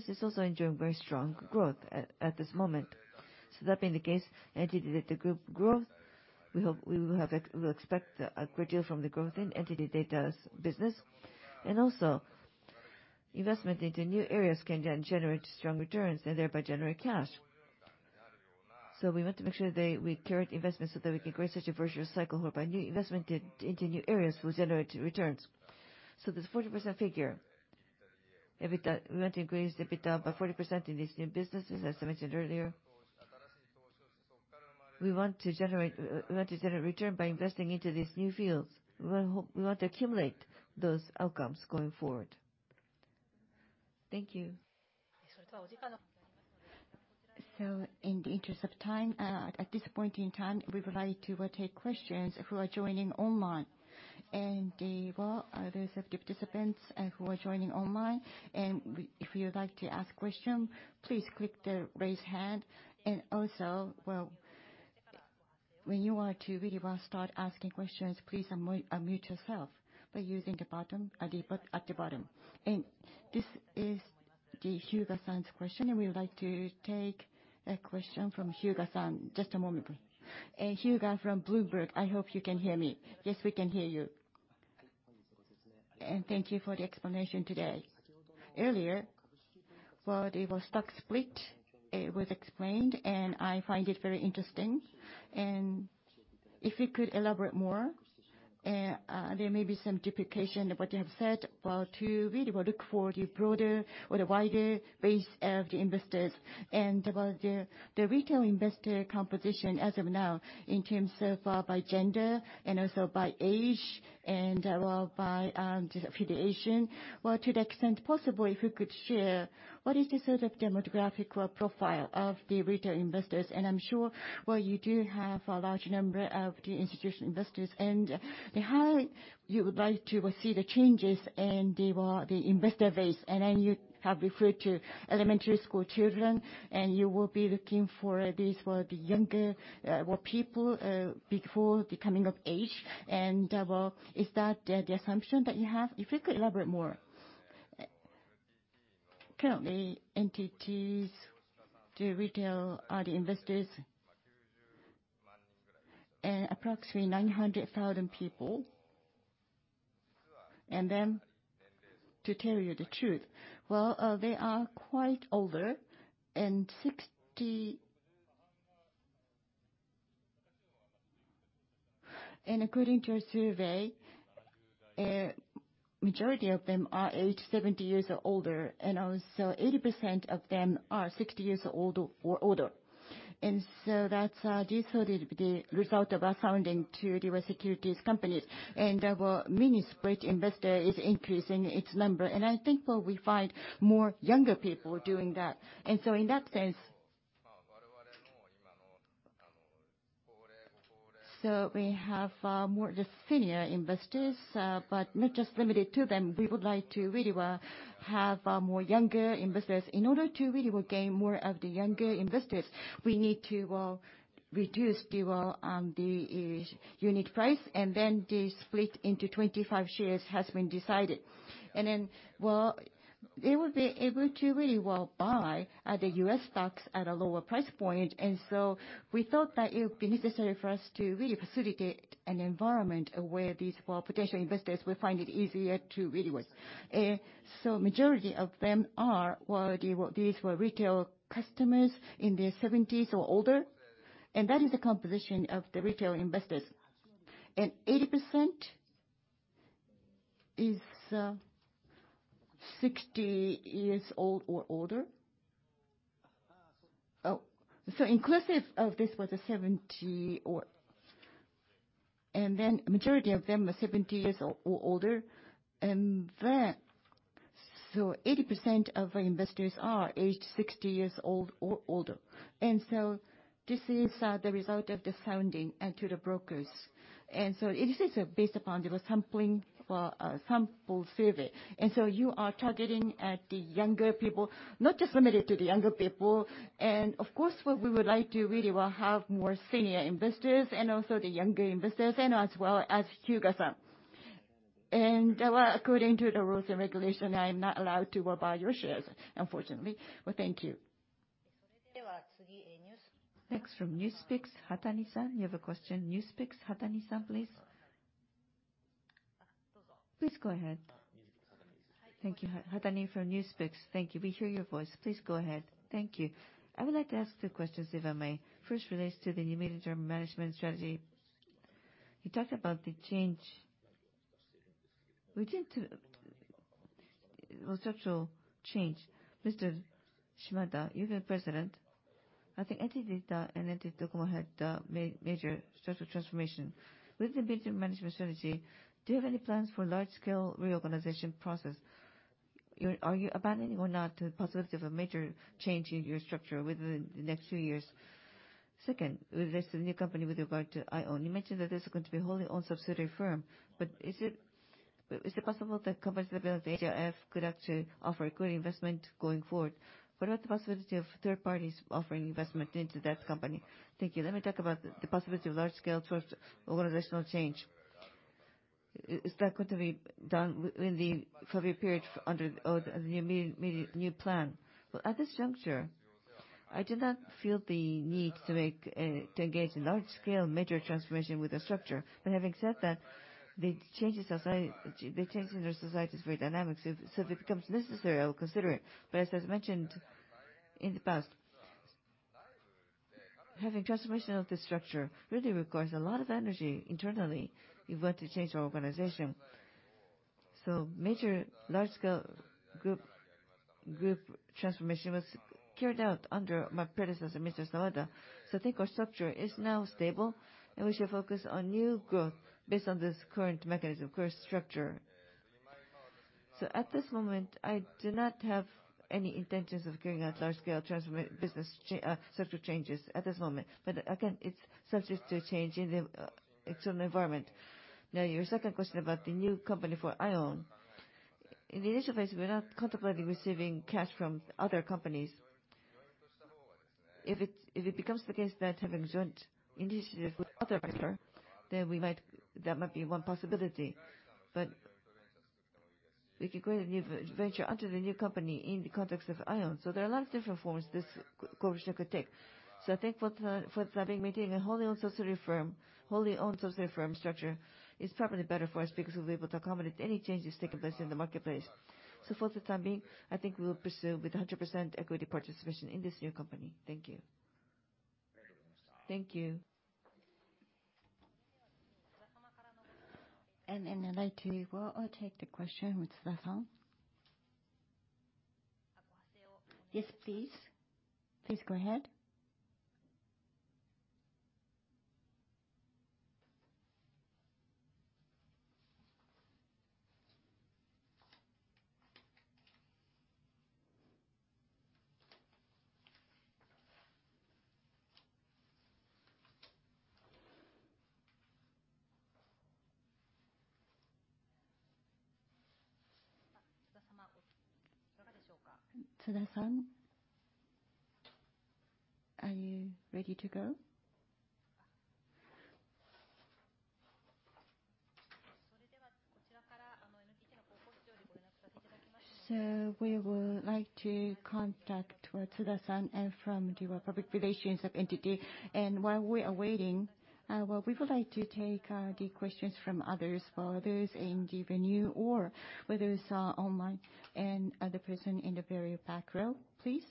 is also enjoying very strong growth at this moment. That being the case, NTT DATA Group growth, we hope, we will expect a great deal from the growth in NTT DATA's business. Also investment into new areas can then generate strong returns and thereby generate cash. We want to make sure that we carry out investments so that we can create such a virtuous cycle whereby new investment into new areas will generate returns. This 40% figure, EBITDA, we want to increase EBITDA by 40% in these new businesses, as I mentioned earlier. We want to generate return by investing into these new fields. We want to accumulate those outcomes going forward. Thank you. In the interest of time, at this point in time, we would like to take questions who are joining online. Well, those of the participants who are joining online, if you would like to ask question, please click the Raise Hand. Also. When you are to really start asking questions, please unmute yourself by using the bottom, at the bottom. This is the Hyuga-san's question, we would like to take a question from Hyuga-san. Just a moment, please. Hyuga from Bloomberg, I hope you can hear me. Yes, we can hear you. Thank you for the explanation today. Earlier, while there was stock split, it was explained, and I find it very interesting. If you could elaborate more, there may be some duplication of what you have said. To really look for the broader or the wider base of the investors and the retail investor composition as of now in terms of by gender and also by age and by the affiliation. Well, to the extent possible, if you could share what is the sort of demographic or profile of the retail investors? I'm sure, well, you do have a large number of the institutional investors and how you would like to, well, see the changes and, well, the investor base. You have referred to elementary school children, and you will be looking for these, well, the younger, well, people before the coming of age. Well, is that the assumption that you hav e? If you could elaborate more. Currently, entities to retail are the investors and approximately 900,000 people. To tell you the truth, well, they are quite older. According to a survey, majority of them are aged 70 years or older, and also 80% of them are 60 years old or older. That's this is the result of our founding to the securities companies. Well, mini split investor is increasing its number, and I think, well, we find more younger people doing that. In that sense, we have more the senior investors, but not just limited to them. We would like to really, well, have more younger investors. In order to really, well, gain more of the younger investors, we need to, well, reduce the, well, the unit price, the split into 25 shares has been decided. Well, they will be able to really, well, buy the U.S. stocks at a lower price point. We thought that it would be necessary for us to really facilitate an environment where these, well, potential investors will find it easier to really, well. Majority of them are, well, retail customers in their 70s or older, and that is the composition of the retail investors. 80% is 60 years old or older. Majority of them are 70 years or older, 80% of our investors are aged 60 years old or older. This is the result of the founding and to the brokers. This is based upon the, well, sampling, well, sample survey. You are targeting the younger people, not just limited to the younger people. Of course, well, we would like to really, well, have more senior investors and also the younger investors as well as Hyuga-san. Well, according to the rules and regulation, I am not allowed to, well, buy your shares, unfortunately. Well, thank you. Next from NewsPicks, Hatani-san, you have a question? NewsPicks, Hatani-san, please. Please go ahead. Thank you. Hatani from NewsPicks. Thank you. We hear your voice. Please go ahead. Thank you. I would like to ask two questions, if I may. First relates to the new medium-term management strategy. You talked about the change within, or structural change. Mr. Shimada, you've been president. I think NTT DATA and NTT DOCOMO had major structural transformation. With the medium-term management strategy, do you have any plans for large-scale reorganization process? Are you abandoning or not the possibility of a major change in your structure within the next few years? Second, relates to the new company with regard to IOWN. You mentioned that this is going to be wholly owned subsidiary firm, is it possible that competitors like AJF could actually offer a good investment going forward? What about the possibility of third parties offering investment into that company? Thank you. Let me talk about the possibility of large-scale structural organizational change. Is that going to be done within the 5-year period or the new plan? Well, at this juncture, I do not feel the need to make to engage in large-scale major transformation with the structure. Having said that, the changes in our society is very dynamic, so if it becomes necessary, I'll consider it. As I mentioned in the past, having transformation of the structure really requires a lot of energy internally if we are to change our organization. Major large-scale group transformation was carried out under my predecessor, Mr. Sawada. I think our structure is now stable, and we should focus on new growth based on this current mechanism, current structure. At this moment, I do not have any intentions of carrying out large-scale business structural changes at this moment. Again, it's subject to change in the external environment. Your second question about the new company for IOWN. In the initial phase, we are not contemplating receiving cash from other companies. If it becomes the case that having joint initiative with other investor, then that might be one possibility. We can create a new venture under the new company in the context of IOWN. There are a lot of different forms this cooperation could take. I think for the time being, maintaining a wholly owned subsidiary firm structure is probably better for us because we'll be able to accommodate any changes taking place in the marketplace. For the time being, I think we will pursue with 100% equity participation in this new company. Thank you. Thank you. I'd like to take the question with Tsuda-san. Yes, please. Please go ahead. Tsuda-san, are you ready to go? We would like to contact with Tsuda-san and from the public relations of NTT. While we are waiting, well, we would like to take the questions from others, for others in the venue or whether it's online and the person in the very back row, please.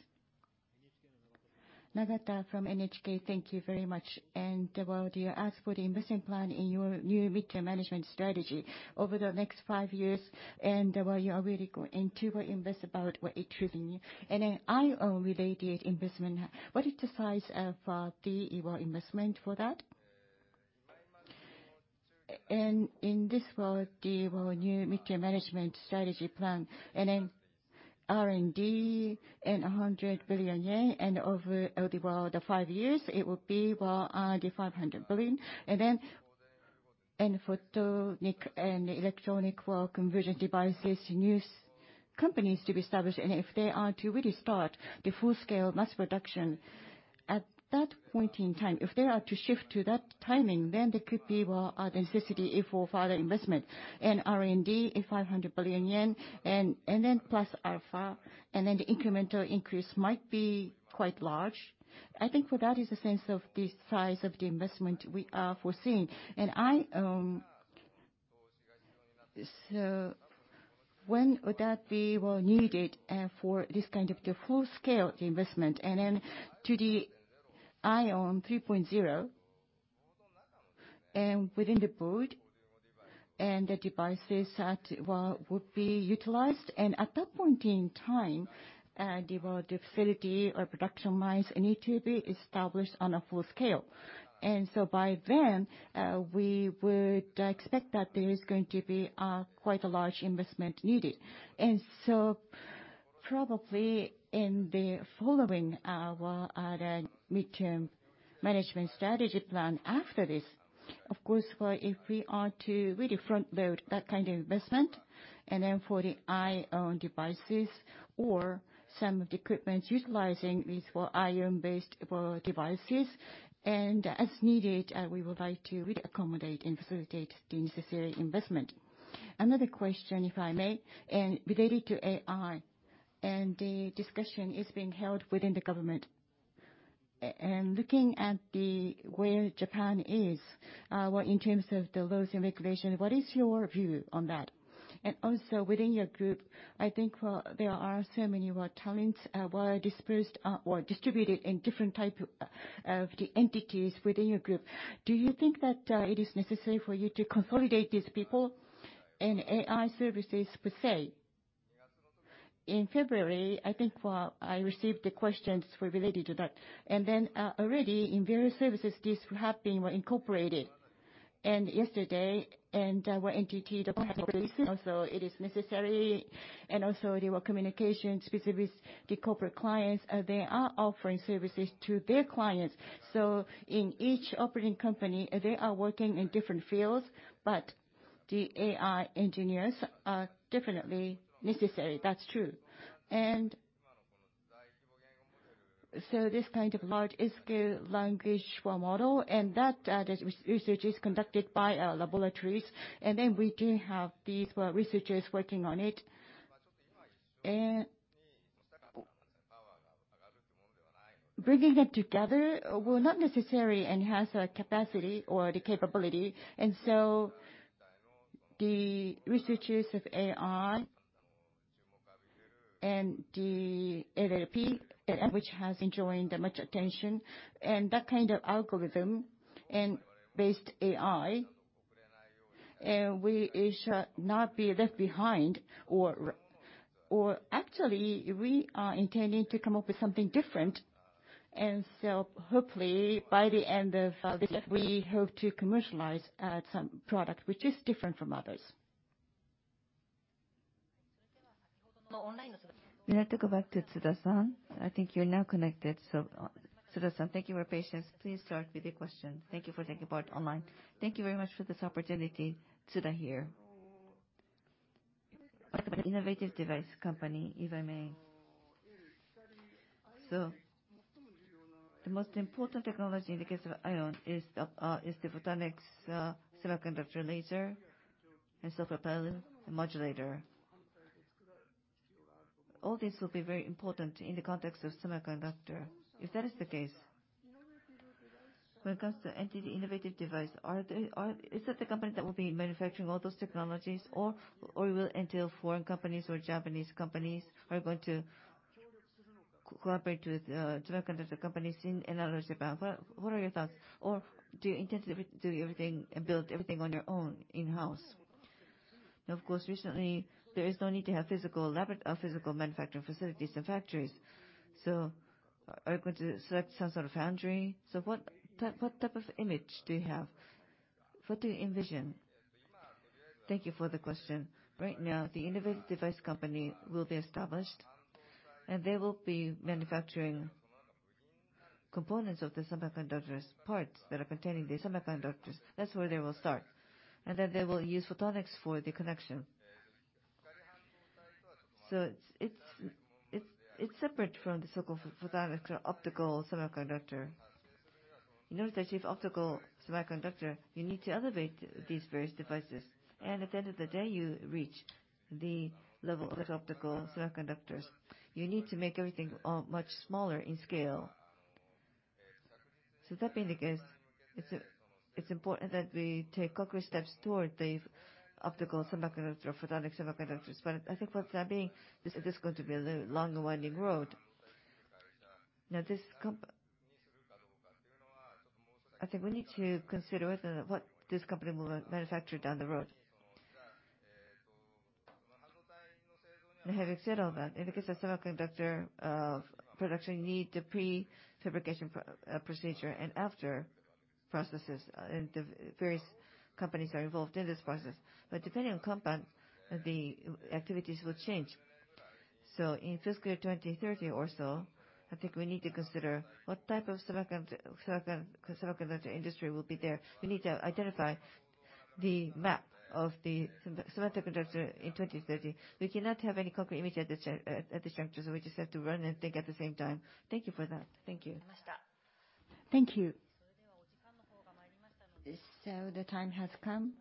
Nagata from NHK, thank you very much. Well, you asked for the investment plan in your new midterm management strategy over the next 5 years and well you are really going to invest about, what, 8 trillion. IOWN-related investment, what is the size of your investment for that? In this world, new midterm management strategy plan and then R&D and 100 billion yen over 5 years, it would be 500 billion. Photonic and electronic conversion devices, new companies to be established. If they are to really start the full-scale mass production, at that point in time, if they are to shift to that timing, there could be a necessity for further investment and R&D in 500 billion yen plus alpha, the incremental increase might be quite large. I think for that is the sense of the size of the investment we are foreseeing. I... When would that be, well, needed for this kind of the full-scale investment and then to the IOWN 3.0 and within the board and the devices that, well, would be utilized. At that point in time, the, well, the facility or production lines need to be established on a full scale. By then, we would expect that there is going to be quite a large investment needed. Probably in the following, well, the midterm management strategy plan after this. Of course, well, if we are to really front load that kind of investment and then for the IOWN devices or some of the equipment utilizing these for IOWN-based, well, devices. As needed, we would like to really accommodate and facilitate the necessary investment. Another question, if I may, related to AI, and the discussion is being held within the government. Looking at the, where Japan is, well, in terms of the laws and regulation, what is your view on that? Also within your group, I think, well, there are so many, well, talents, well, dispersed or distributed in different type of the entities within your group. Do you think that it is necessary for you to consolidate these people in AI services per se? In February, I think, well, I received the questions for related to that. Already in various services, these have been, well, incorporated. Yesterday, well, NTT perhaps also it is necessary, and also there were communications with the corporate clients, they are offering services to their clients. In each operating company, they are working in different fields. The AI engineers are definitely necessary, that's true. This kind of large-scale language model, and that, the research is conducted by our laboratories. We do have these researchers working on it. Bringing them together will not necessarily enhance our capacity or the capability. The researchers of AI and the LLM, which has enjoying that much attention, and that kind of algorithm and based AI, we should not be left behind or actually we are intending to come up with something different. Hopefully by the end of this year, we hope to commercialize some product which is different from others. We have to go back to Tsuda-san. I think you're now connected. Tsuda-san, thank you for your patience. Please start with your question. Thank you for taking part online. Thank you very much for this opportunity. Tsuda here. Innovative Device Company, if I may. The most important technology in the case of IOWN is the photonics semiconductor laser and propelling the modulator. All these will be very important in the context of semiconductor. If that is the case, when it comes to NTT Innovative Device, are they, is that the company that will be manufacturing all those technologies or will entail foreign companies or Japanese companies are going to cooperate with semiconductor companies in other Japan? What are your thoughts? Do you intend to do everything and build everything on your own in-house? Now, of course, recently, there is no need to have physical labora- or physical manufacturing facilities and factories. Are you going to select some sort of foundry? What type of image do you have? What do you envision? Thank you for the question. Right now, the innovative device company will be established, and they will be manufacturing components of the semiconductors parts that are containing the semiconductors. That's where they will start. Then they will use photonics for the connection. It's separate from the so-called photonics or optical semiconductor. In order to achieve optical semiconductor, you need to elevate these various devices. At the end of the day, you reach the level of optical semiconductors. You need to make everything much smaller in scale. That being the case, it's important that we take concrete steps toward the optical semiconductor or photonic semiconductors. I think for the time being, this is going to be a long and winding road. I think we need to consider what this company will manufacture down the road. Having said all that, in the case of semiconductor production, you need the pre-fabrication procedure and after processes, and the various companies are involved in this process. Depending on compound, the activities will change. In fiscal 2030 or so, I think we need to consider what type of semiconductor industry will be there. We need to identify the map of the semiconductor in 2030. We cannot have any concrete image at this juncture, so we just have to run and think at the same time. Thank you for that. Thank you. Thank you. The time has come,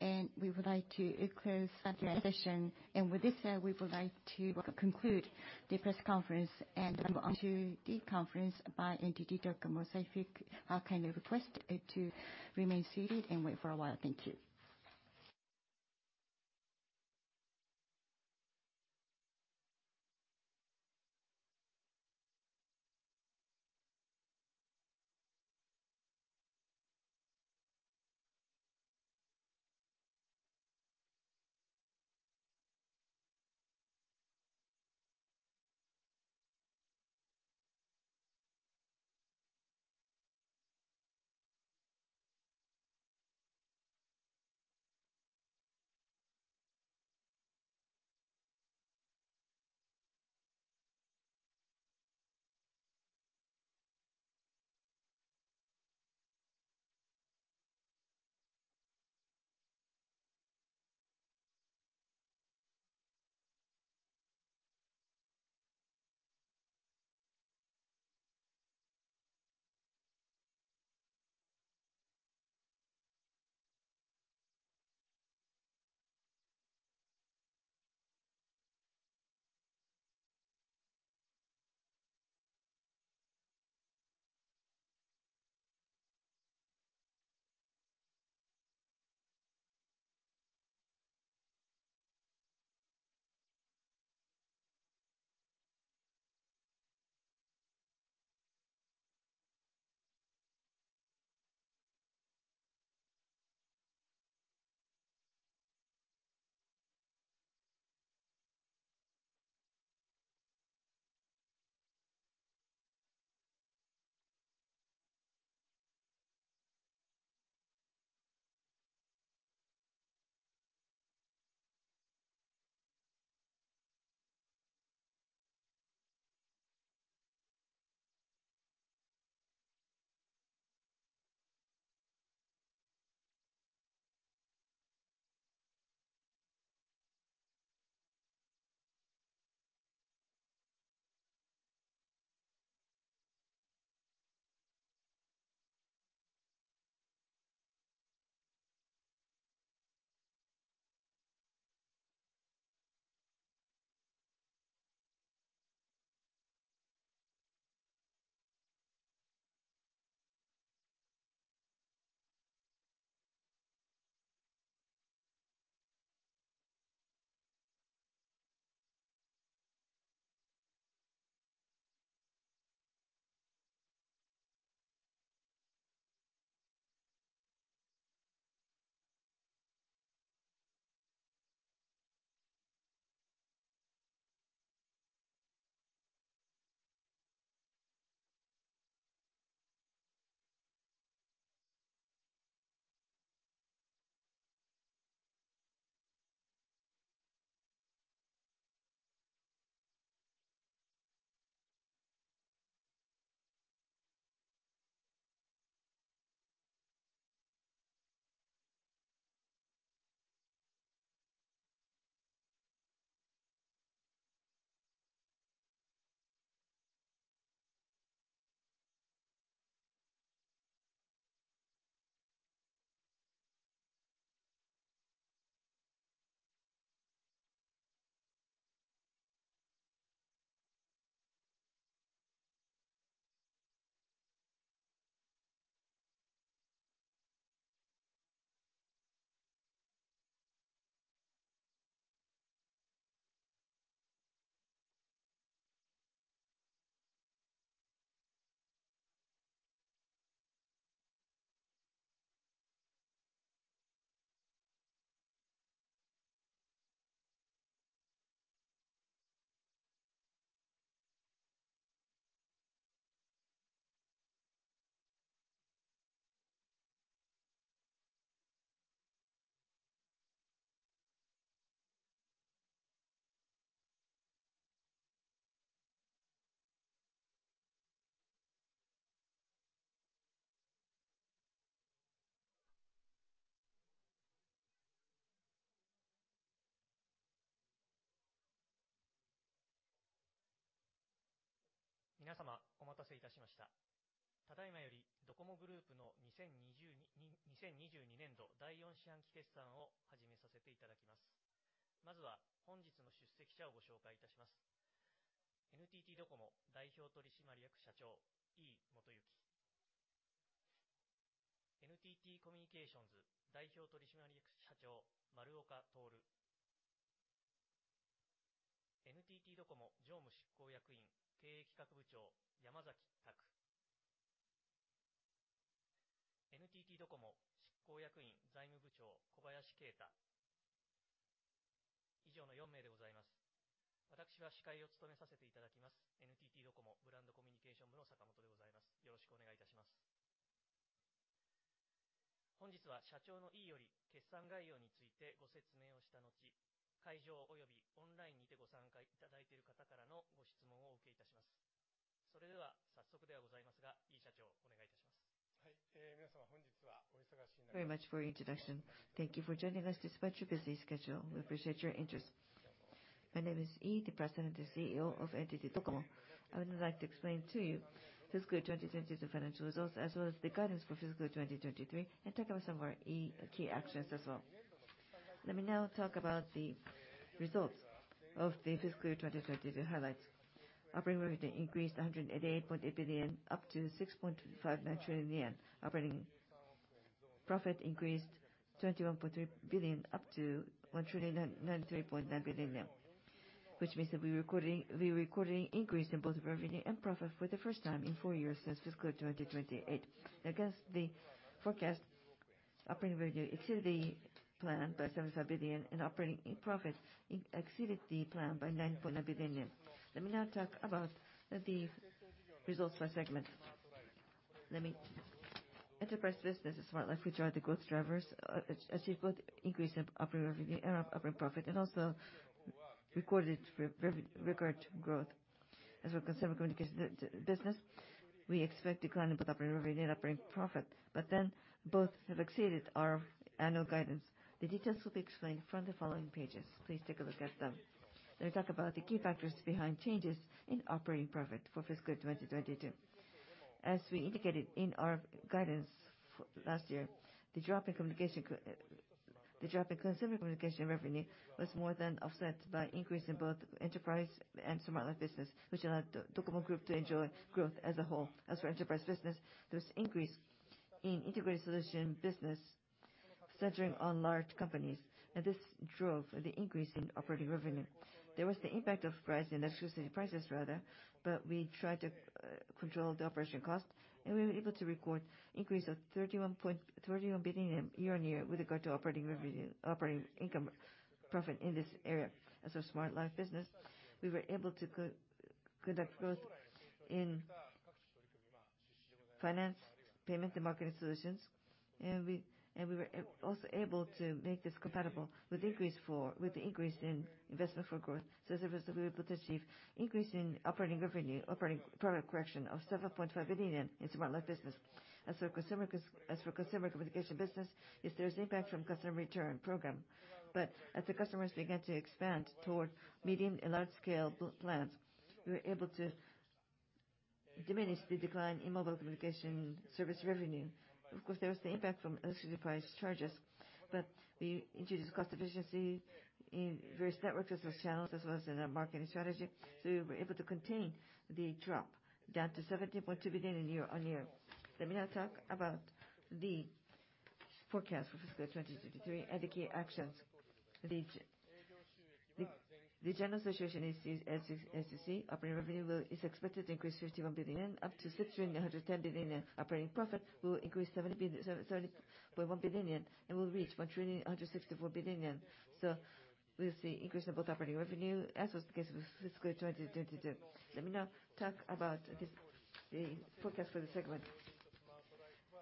and we would like to close Q&A session. With this said, we would like to conclude the press conference and move on to the conference by NTT DOCOMO. If we could kindly request to remain seated and wait for a while. Thank you. Thank you very much for your introduction. Thank you for joining us despite your busy schedule. We appreciate your interest. My name is Ii, the President and Chief Executive Officer of NTT DOCOMO. I would like to explain to you fiscal 2022 financial results, as well as the guidance for fiscal 2023, and talk about some of our e-key actions as well. Let me now talk about the results of the fiscal 2022 highlights. Operating revenue increased 108.8 billion up to 6.59 trillion yen. Operating profit increased 21.3 billion up to 1,093.9 billion yen, which means that we're recording increase in both revenue and profit for the first time in four years since fiscal 2028. Against the forecast, operating revenue exceeded the plan by 7.5 billion, and operating profit exceeded the plan by 9.9 billion. Let me now talk about the results by segment. Enterprise business and Smart Life, which are the growth drivers, achieved good increase in operating revenue and operating profit, and also recorded record growth. As for Consumer Communications business, we expect decline in both operating revenue and operating profit. Both have exceeded our annual guidance. The details will be explained from the following pages. Please take a look at them. Let me talk about the key factors behind changes in operating profit for fiscal 2022. As we indicated in our guidance last year, the drop in consumer communication revenue was more than offset by increase in both enterprise and Smart Life business, which allowed Docomo Group to enjoy growth as a whole. As for enterprise business, there was increase in integrated solution business centering on large companies. This drove the increase in operating revenue. There was the impact of price, electricity prices rather. We tried to control the operational cost. We were able to record increase of 31 billion JPY year-on-year with regard to operating revenue, operating income profit in this area. As for Smart Life business, we were able to co-conduct growth in finance, payment and marketing solutions, and we were also able to make this compatible with the increase in investment for growth so that we were able to achieve increase in operating revenue, operating product correction of 7.5 billion in Smart Life business. As for consumer comms, as for consumer communication business, yes, there is impact from customer return program, but as the customers began to expand toward meeting a large scale plans, we were able to diminish the decline in mobile communication service revenue. Of course, there was the impact from electricity price charges, but we introduced cost efficiency in various networks as well as channels, as well as in our marketing strategy. We were able to contain the drop down to 17.2 billion year-on-year. Let me now talk about the forecast for fiscal 2023 and the key actions. The general association is as you see, operating revenue is expected to increase 51 billion yen up to 6,110 billion yen. Operating profit will increase 70.1 billion and will reach 1,164 billion yen. We'll see increase in both operating revenue, as was the case with fiscal 2022. Let me now talk about the forecast for the second one.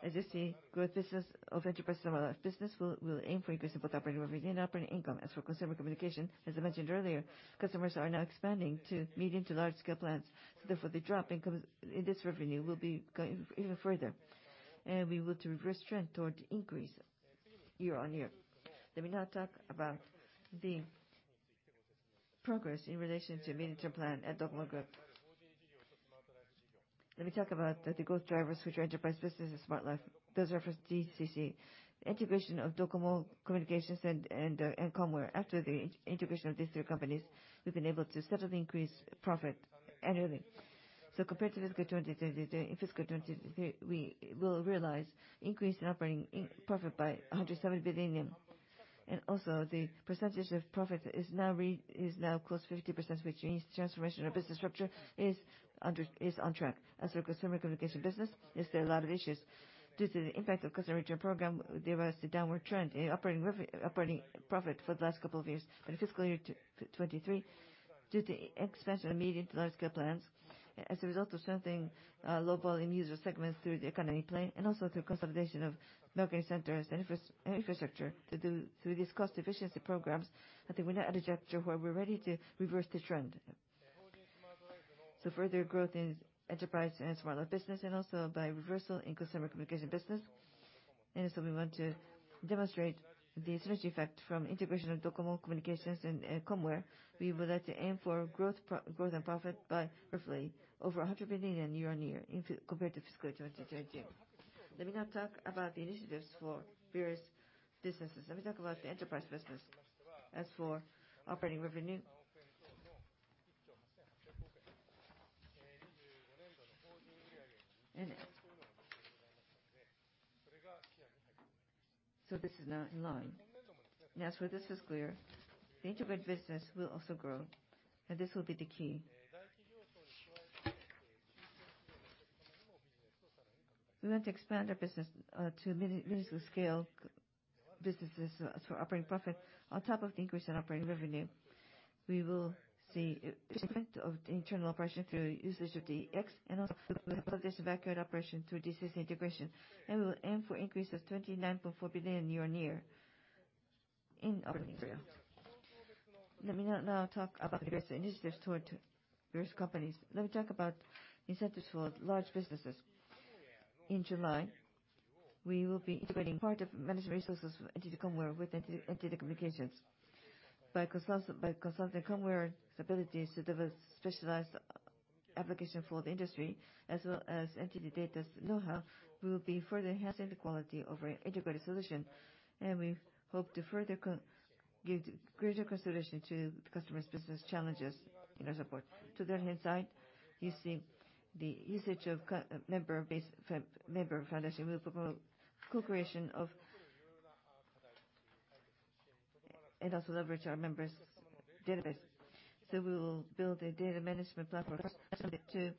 As you see, growth business of enterprise business will aim for increase in both operating revenue and operating income. As for consumer communication, as I mentioned earlier, customers are now expanding to medium to large scale plans. Therefore, the drop in this revenue will be going even further, we will to reverse trend toward increase year-on-year. Let me now talk about the progress in relation to midterm plan at Docomo Group. Let me talk about the growth drivers, which are enterprise business and SmartLife. Those reference DCC. Integration of Docomo Communications and Comware. After the integration of these two companies, we've been able to steadily increase profit annually. Compared to fiscal 2023, in fiscal 2023, we will realize increase in operating in profit by 170 billion yen. Also, the percentage of profit is now close to 50%, which means transformation of business structure is on track. As for consumer communication business, there's still a lot of issues. Due to the impact of customer return program, there was a downward trend in operating profit for the last couple of years. In fiscal year 23, due to expansion of medium to large scale plans, as a result of strengthening low volume user segments through the economy plan and also through consolidation of marketing centers and infrastructure. Through these cost efficiency programs, I think we're now at a juncture where we're ready to reverse the trend. Further growth in enterprise and SmartLife business, and also by reversal in consumer communication business. We want to demonstrate the synergy effect from integration of Docomo Communications and Comware. We would like to aim for growth and profit by roughly over 100 billion year-on-year compared to fiscal 2022. Let me now talk about the initiatives for various businesses. Let me talk about the enterprise business. As for operating revenue, this is now in line. This is clear, the integrated business will also grow, and this will be the key. We want to expand our business to minuscule scale businesses, operating profit on top of the increase in operating revenue. We will see of the internal operation through usage of DX and also operation through DCC integration. We will aim for increase of 29.4 billion year-on-year in operating area. Let me now talk about the rest initiatives toward various companies. Let me talk about incentives for large businesses. In July, we will be integrating part of management resources from NTT Comware with NTT Communications. By consulting Comware's abilities to develop specialized application for the industry, as well as NTT DATA's know-how, we will be further enhancing the quality of our integrated solution, and we hope to give greater consideration to the customer's business challenges in our support. To the left-hand side, you see the usage of member base, member foundation. We will promote co-creation of and also leverage our members' database. We will build a data management platform to,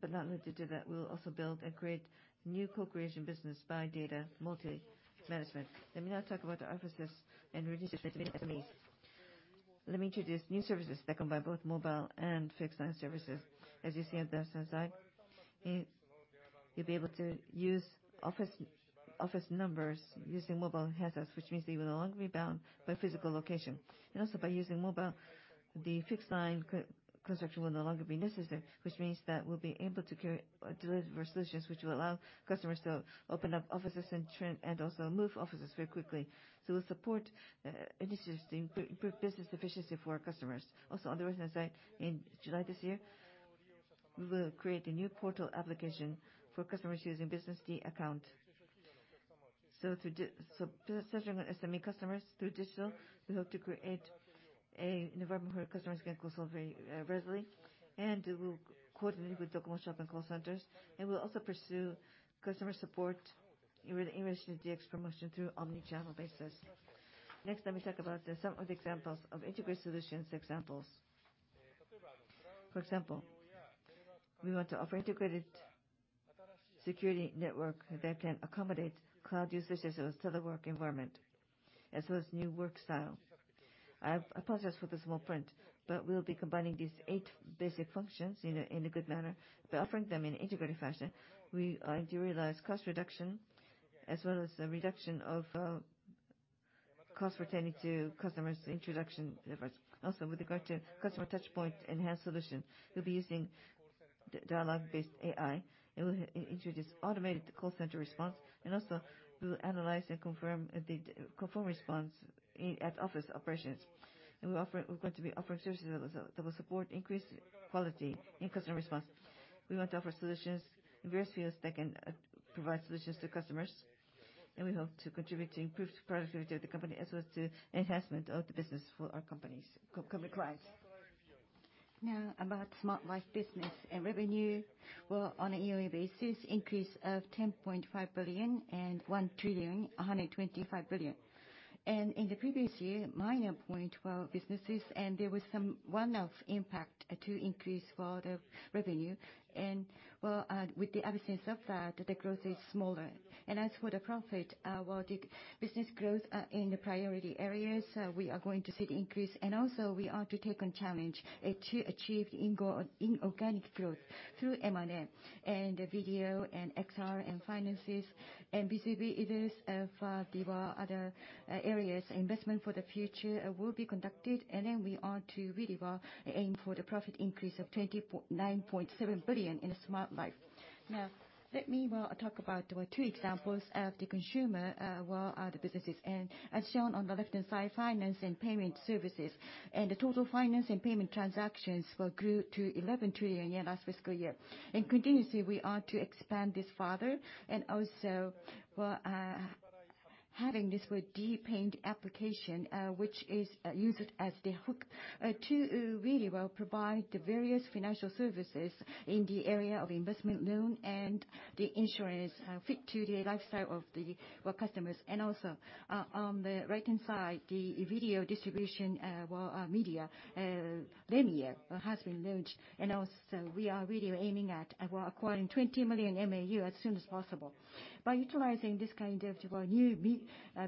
but not limited to that, we will also build a great new co-creation business by data multi-management. Let me now talk about the offices and reducing SMEs. Let me introduce new services that combine both mobile and fixed line services. As you see on the left-hand side, you'll be able to use office numbers using mobile handsets, which means that you will no longer be bound by physical location. Also by using mobile, the fixed line construction will no longer be necessary, which means that we'll be able to deliver solutions which will allow customers to open up offices and train, and also move offices very quickly. We'll support initiatives to improve business efficiency for our customers. Also, on the right-hand side, in July this year, we will create a new portal application for customers using Business d account. To certain SME customers through digital, we hope to create an environment where customers can consult very readily, and we will coordinate with docomo Shop and call centers, and we'll also pursue customer support in relation to DX promotion through omnichannel basis. Next, let me talk about the some of the examples of integrated solutions examples. For example, we want to offer integrated security network that can accommodate cloud usage as a telework environment, as well as new work style. I apologize for the small print, but we'll be combining these eight basic functions in a good manner. By offering them in integrated fashion, we are to realize cost reduction as well as the reduction of cost pertaining to customers' introduction efforts. Also, with regard to customer touchpoint enhanced solution, we'll be using dialogue-based AI, and we'll introduce automated call center response, and also we will analyze and confirm the confirm response at office operations. We're going to be offering services that will support increased quality in customer response. We want to offer solutions in various fields that can provide solutions to customers, and we hope to contribute to improved productivity of the company as well as to enhancement of the business for our company clients. Now, about Smart Life business and revenue were on a year-over-year basis increase of 10.5 billion and 1,125 billion. In the previous year, minor point were businesses and there was some one-off impact to increase for the revenue. Well, with the absence of that, the growth is smaller. As for the profit, well the business growth in the priority areas, we are going to see the increase and also we are to take on challenge to achieve inorganic growth through M&A, video, XR, and finances. B2B, it is for the other areas, investment for the future will be conducted and then we are to really well aim for the profit increase of 9.7 billion in Smart Life. Let me, well, talk about, well, two examples of the consumer, well, the businesses. As shown on the left-hand side, finance and payment services, and the total finance and payment transactions, well, grew to 11 trillion yen last fiscal year. In continuously, we are to expand this further and also, well, having this with d Pay application, which is used as the hook, to really well provide the various financial services in the area of investment loan and the insurance, fit to the lifestyle of the, well, customers. Also, on the right-hand side, the video distribution, well, media, linear has been launched. Also, we are really aiming at, well, acquiring 20 million MAU as soon as possible. By utilizing this kind of, well, new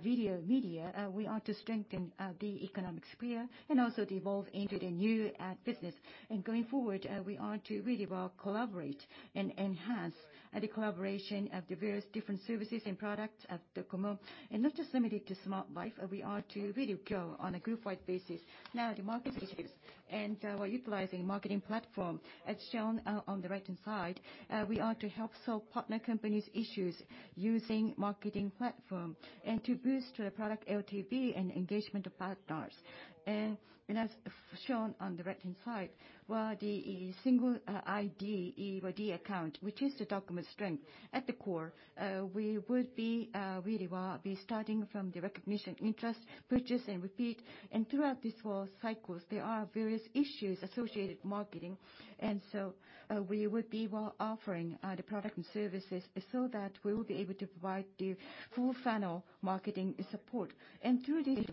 video media, we are to strengthen, the economic sphere and also to evolve into the new ad business. Going forward, we are to really well collaborate and enhance the collaboration of the various different services and products at Docomo. Not just limited to Smart Life, we are to really go on a group wide basis. Now, the market issues and, while utilizing marketing platform, as shown on the right-hand side, we are to help solve partner companies' issues using marketing platform and to boost the product LTV and engagement of partners. As shown on the right-hand side, while the single ID, well, the account, which is the Docomo's strength, at the core, we would be really well be starting from the recognition interest, purchase and repeat. Throughout these four cycles, there are various issues associated marketing. We would be well offering the product and services so that we will be able to provide the full funnel marketing support. Through these,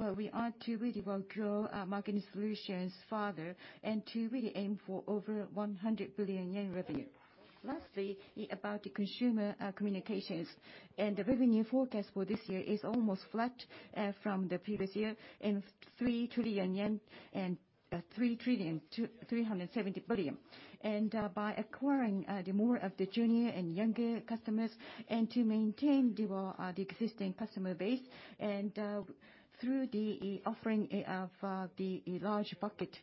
well, we are to really well grow our marketing solutions further and to really aim for over 100 billion yen revenue. Lastly, about the consumer communications, the revenue forecast for this year is almost flat from the previous year, in 3 trillion yen and 3,370 billion. By acquiring the more of the junior and younger customers and to maintain the existing customer base, through the offering of the large bucket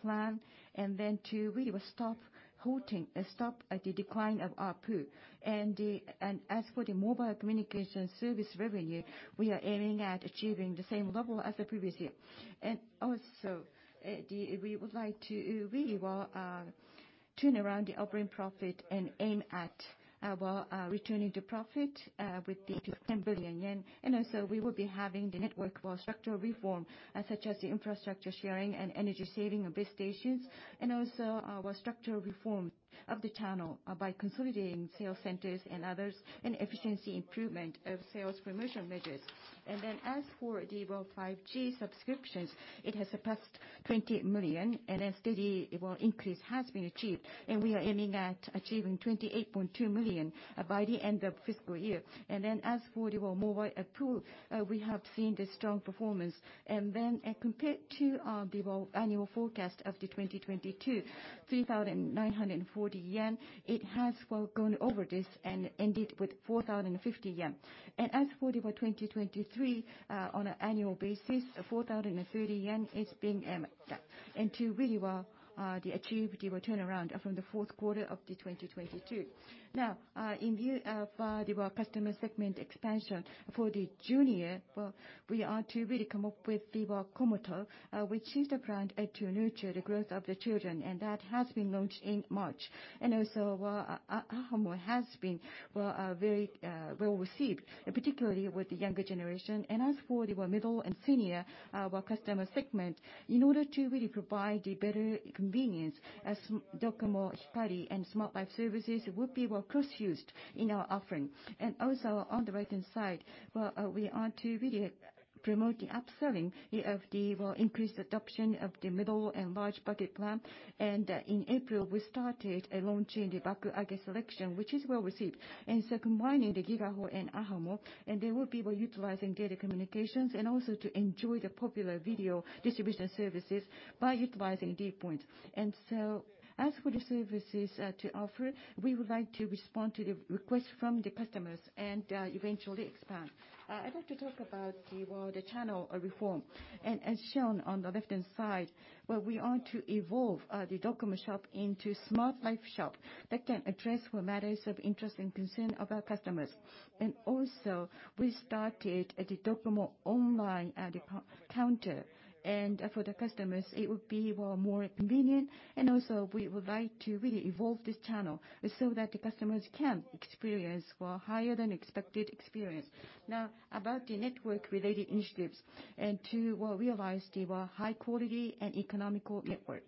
plan and then to really well stop the decline of ARPU. As for the mobile communication service revenue, we are aiming at achieving the same level as the previous year. Also, we would like to really well turn around the operating profit and aim at returning to profit with 10 billion yen. Also, we will be having the network, well, structural reform, such as the infrastructure sharing and energy saving of base stations, and also, well, structural reform of the channel by consolidating sales centers and others and efficiency improvement of sales promotion measures. As for the, well, 5G subscriptions, it has surpassed 20 million and a steady, well, increase has been achieved, and we are aiming at achieving 28.2 million by the end of fiscal year. As for the, well, mobile pool, we have seen the strong performance. Compared to the, well, annual forecast of 2022, 3,940 yen, it has, well, gone over this and ended with 4,050 yen. As for the, well, 2023, on an annual basis, 4,030 yen is being aimed at. To really well, achieve the, well, turnaround from the fourth quarter of 2022. Now, in view of the, well, customer segment expansion for the junior, well, we are to really come up with the, well, comotto, which is the brand to nurture the growth of the children, and that has been launched in March. Well, ahamo has been, well, very, well received, particularly with the younger generation. As for the, well, middle and senior, well, customer segment, in order to really provide the better convenience as docomo Hikari and Smart Life services would be well cross-used in our offering. On the right-hand side, well, we are to really promote the upselling of the, well, increased adoption of the middle and large bucket plan. In April, we started launching the Bakuage Selection, which is well received. Combining the Gigaho and ahamo, and they will be, well, utilizing data communications and also to enjoy the popular video distribution services by utilizing d POINT. As for the services to offer, we would like to respond to the requests from the customers and eventually expand. I'd like to talk about the, well, the channel reform. As shown on the left-hand side, well, we are to evolve the docomo Shop into Smart Life Shop that can address what matters of interest and concern of our customers. Also, we started the Docomo Online Counter, and for the customers, it would be, well, more convenient. We would like to really evolve this channel so that the customers can experience, well, higher than expected experience. Now, about the network related initiatives and to, well, realize the high quality and economical network.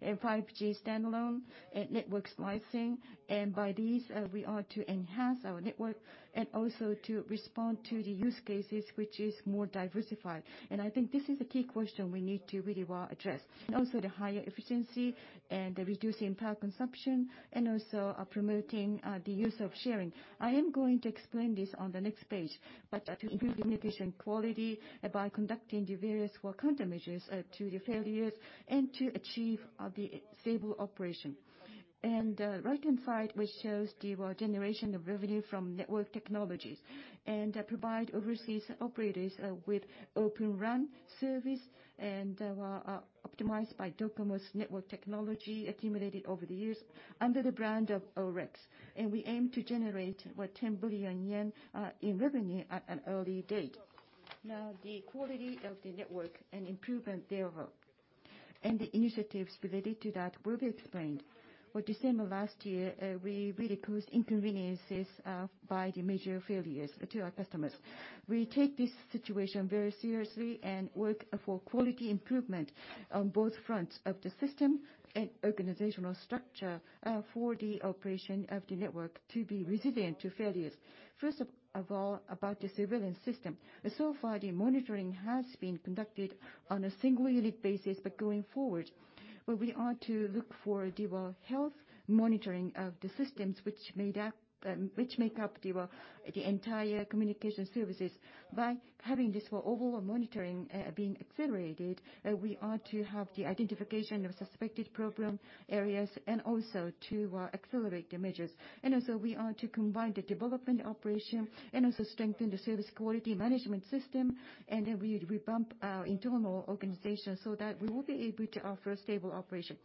In 5G standalone and network slicing, and by these, we are to enhance our network and also to respond to the use cases which is more diversified. I think this is the key question we need to really well address. The higher efficiency and reducing power consumption, also promoting the use of sharing. I am going to explain this on the next page, but to improve the network quality by conducting the various work countermeasures to the failures and to achieve the stable operation. Right-hand side, which shows the generation of revenue from network technologies, and provide overseas operators with Open RAN service and were optimized by Docomo's network technology accumulated over the years under the brand of OREX. We aim to generate, well, 10 billion yen in revenue at an early date. The quality of the network and improvement thereof, and the initiatives related to that will be explained. December last year, we really caused inconveniences by the major failures to our customers. We take this situation very seriously and work for quality improvement on both fronts of the system and organizational structure for the operation of the network to be resilient to failures. First of all, about the surveillance system. So far, the monitoring has been conducted on a singular unit basis, but going forward, well, we are to look for the health monitoring of the systems which made up which make up the entire communication services. By having this for overall monitoring, being accelerated, we are to have the identification of suspected problem areas and also to accelerate the measures. We are to combine the development operation and also strengthen the service quality management system, and then we bump our internal organization so that we will be able to offer stable operation.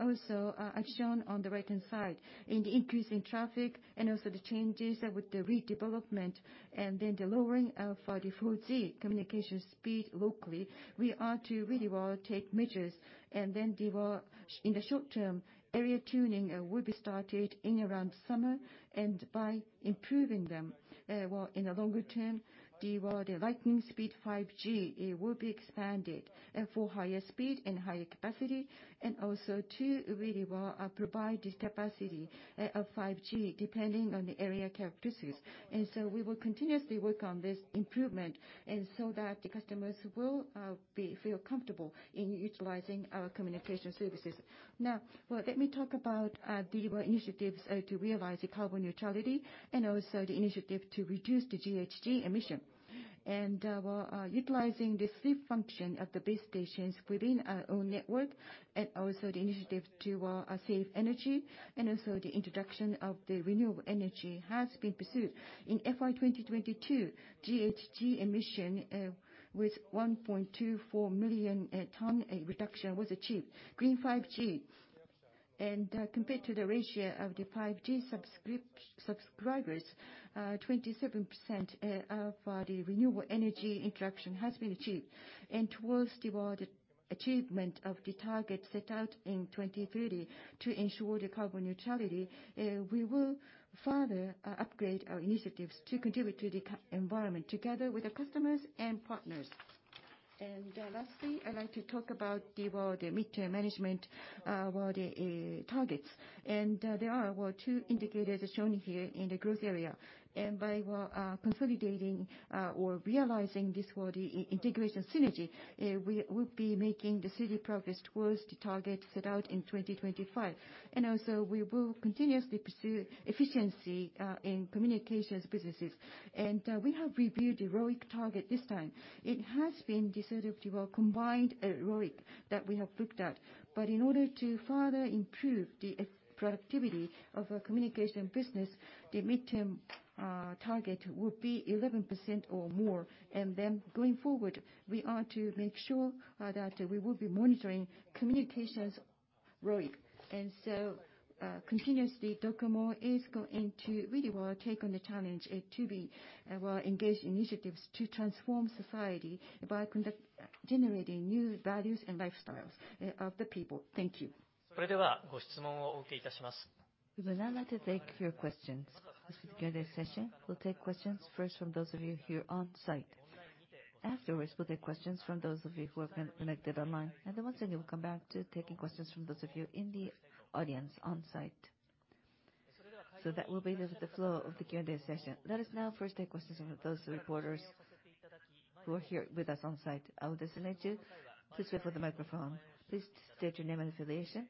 Also, as shown on the right-hand side, in the increase in traffic and also the changes with the redevelopment and then the lowering of the 4G communication speed locally, we are to really well take measures. In the short term, area tuning will be started in around summer, and by improving them, in the longer term, the lightning speed 5G will be expanded for higher speed and higher capacity, and also to really well provide this capacity of 5G depending on the area characteristics. We will continuously work on this improvement so that the customers will feel comfortable in utilizing our communication services. Now, let me talk about the initiatives to realize the carbon neutrality and also the initiative to reduce the GHG emission. We're utilizing the sleep function of the base stations within our own network and also the initiative to save energy and also the introduction of the renewable energy has been pursued. In FY2022, GHG emission with 1.24 million ton reduction was achieved. Green 5G, compared to the ratio of the 5G subscribers, 27% of the renewable energy introduction has been achieved. Towards the achievement of the target set out in 2030 to ensure the carbon neutrality, we will further upgrade our initiatives to contribute to the environment together with our customers and partners. Lastly, I'd like to talk about the midterm management targets. There are two indicators shown here in the growth area. By, well, consolidating or realizing this for the integration synergy, we will be making the steady progress towards the target set out in 2025. Also, we will continuously pursue efficiency in communications businesses. We have reviewed the ROIC target this time. It has been the sort of, well, combined ROIC that we have looked at. In order to further improve the productivity of our communication business, the midterm target will be 11% or more. Going forward, we are to make sure that we will be monitoring communications ROIC. Continuously DOCOMO is going to really well take on the challenge to be, well, engage initiatives to transform society by generating new values and lifestyles of the people. Thank you. We will now like to take your questions. To begin this session, we'll take questions first from those of you here on site. Afterwards, we'll take questions from those of you who have connected online. Once again, we'll come back to taking questions from those of you in the audience on site. That will be the flow of the Q&A session. Let us now first take questions from those reporters who are here with us on site. I will designate you. Please wait for the microphone. Please state your name and affiliation.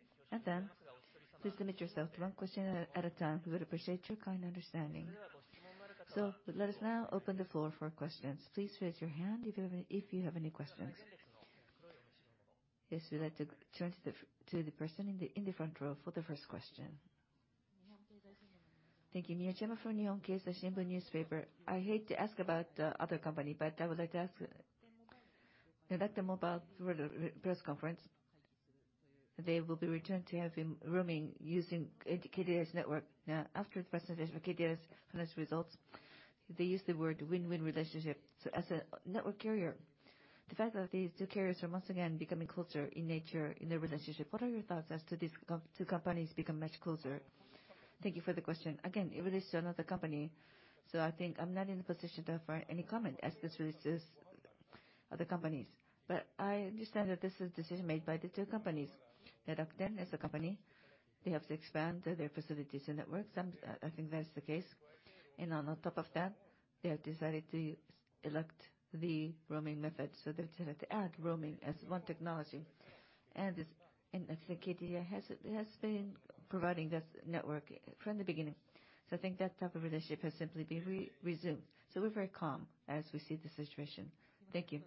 Please limit yourself to one question at a time. We would appreciate your kind understanding. Let us now open the floor for questions. Please raise your hand if you have any questions. Yes, we'd like to turn to the person in the front row for the first question. Thank you. Miyajima from Nihon Keizai Shimbun newspaper. I hate to ask about other company, but I would like to ask about the mobile through the press conference. They will be returned to having roaming using KDDI's network. After the presentation of KDDI's latest results They use the word win-win relationship. As a network carrier, the fact that these two carriers are once again becoming closer in nature in their relationship, what are your thoughts as to these two companies become much closer? Thank you for the question. It relates to another company, I think I'm not in a position to offer any comment as this relates to other companies. I understand that this is a decision made by the two companies. Rakuten as a company, they have to expand their facilities and networks, I think that is the case. On top of that, they have decided to elect the roaming method. They've decided to add roaming as one technology. As for KDDI, it has been providing this network from the beginning. I think that type of relationship has simply been resumed. We're very calm as we see the situation. Thank you.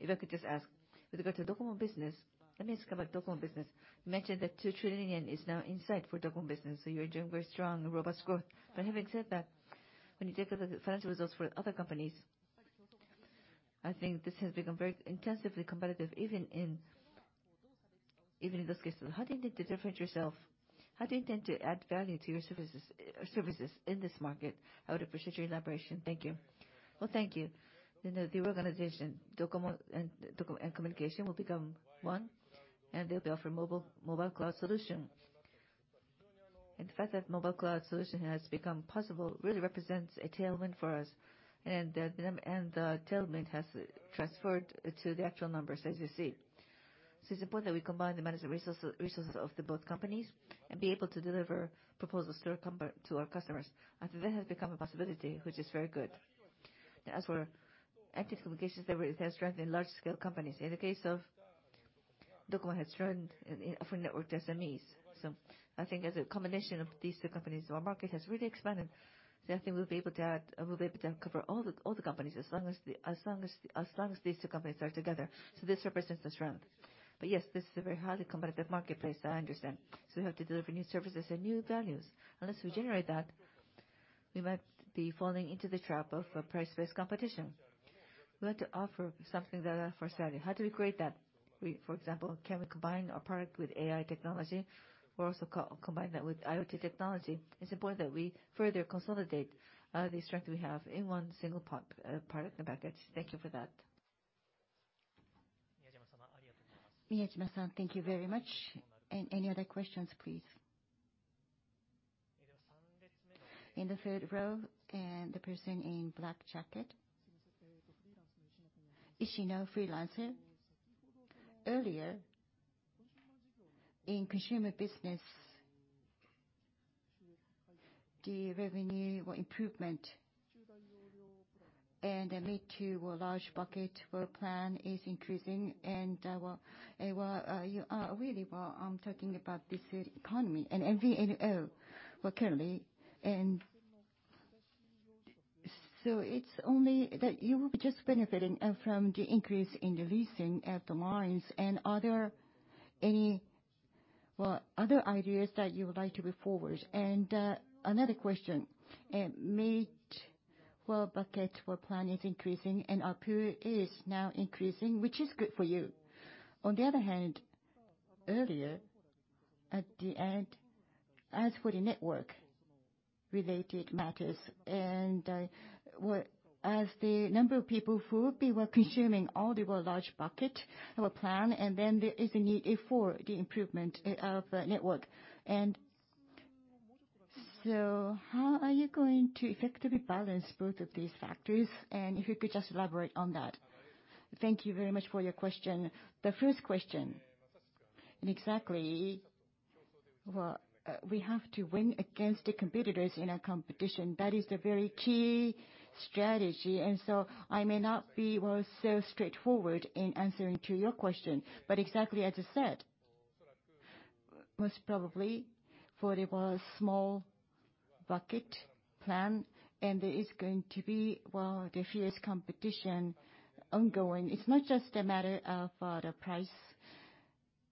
If I could just ask, with regard to Docomo business, let me ask about Docomo business. You mentioned that 2 trillion yen is now in sight for Docomo business, so you're doing very strong and robust growth. Having said that, when you take a look at the financial results for other companies, I think this has become very intensively competitive, even in this case. How do you intend to differentiate yourself? How do you intend to add value to your services in this market? I would appreciate your elaboration. Thank you. Well, thank you. In the reorganization, Docomo and Communication will become one, and they'll offer mobile cloud solution. The fact that mobile cloud solution has become possible really represents a tailwind for us. The tailwind has transferred to the actual numbers, as you see. It's important that we combine the management resources of the both companies and be able to deliver proposals to our customers. I think that has become a possibility, which is very good. As for NTT Communications, they really have strength in large scale companies. In the case of Docomo has strength in offering network to SMEs. I think as a combination of these two companies, our market has really expanded. I think we'll be able to cover all the companies as long as these two companies are together. This represents the strength. Yes, this is a very highly competitive marketplace, I understand. We have to deliver new services and new values. Unless we generate that, we might be falling into the trap of a price-based competition. We want to offer something that for selling. How do we create that? We, for example, can we combine our product with AI technology? Or also co-combine that with IoT technology? It's important that we further consolidate the strength we have in one single product and package. Thank you for that. Miyajima-san, thank you very much. Any other questions, please? In the third row and the person in black jacket. freelancer. Earlier in consumer business, the revenue or improvement and lead to a large bucket for plan is increasing, I'm talking about this economy and MVNO were currently and so it's only that you will be just benefiting from the increase in the leasing of the lines. Are there any other ideas that you would like to move forward? Another question, buckets for plan is increasing and ARPU is now increasing, which is good for you. On the other hand, earlier at the end, as for the network-related matters, as the number of people who were consuming all the large bucket of plan and then there is a need for the improvement of network. How are you going to effectively balance both of these factors? If you could just elaborate on that. Thank you very much for your question. The first question, exactly, we have to win against the competitors in a competition. That is the very key strategy. I may not be so straightforward in answering to your question. Exactly as you said, most probably for the small bucket plan there is going to be the fierce competition ongoing. It's not just a matter of the price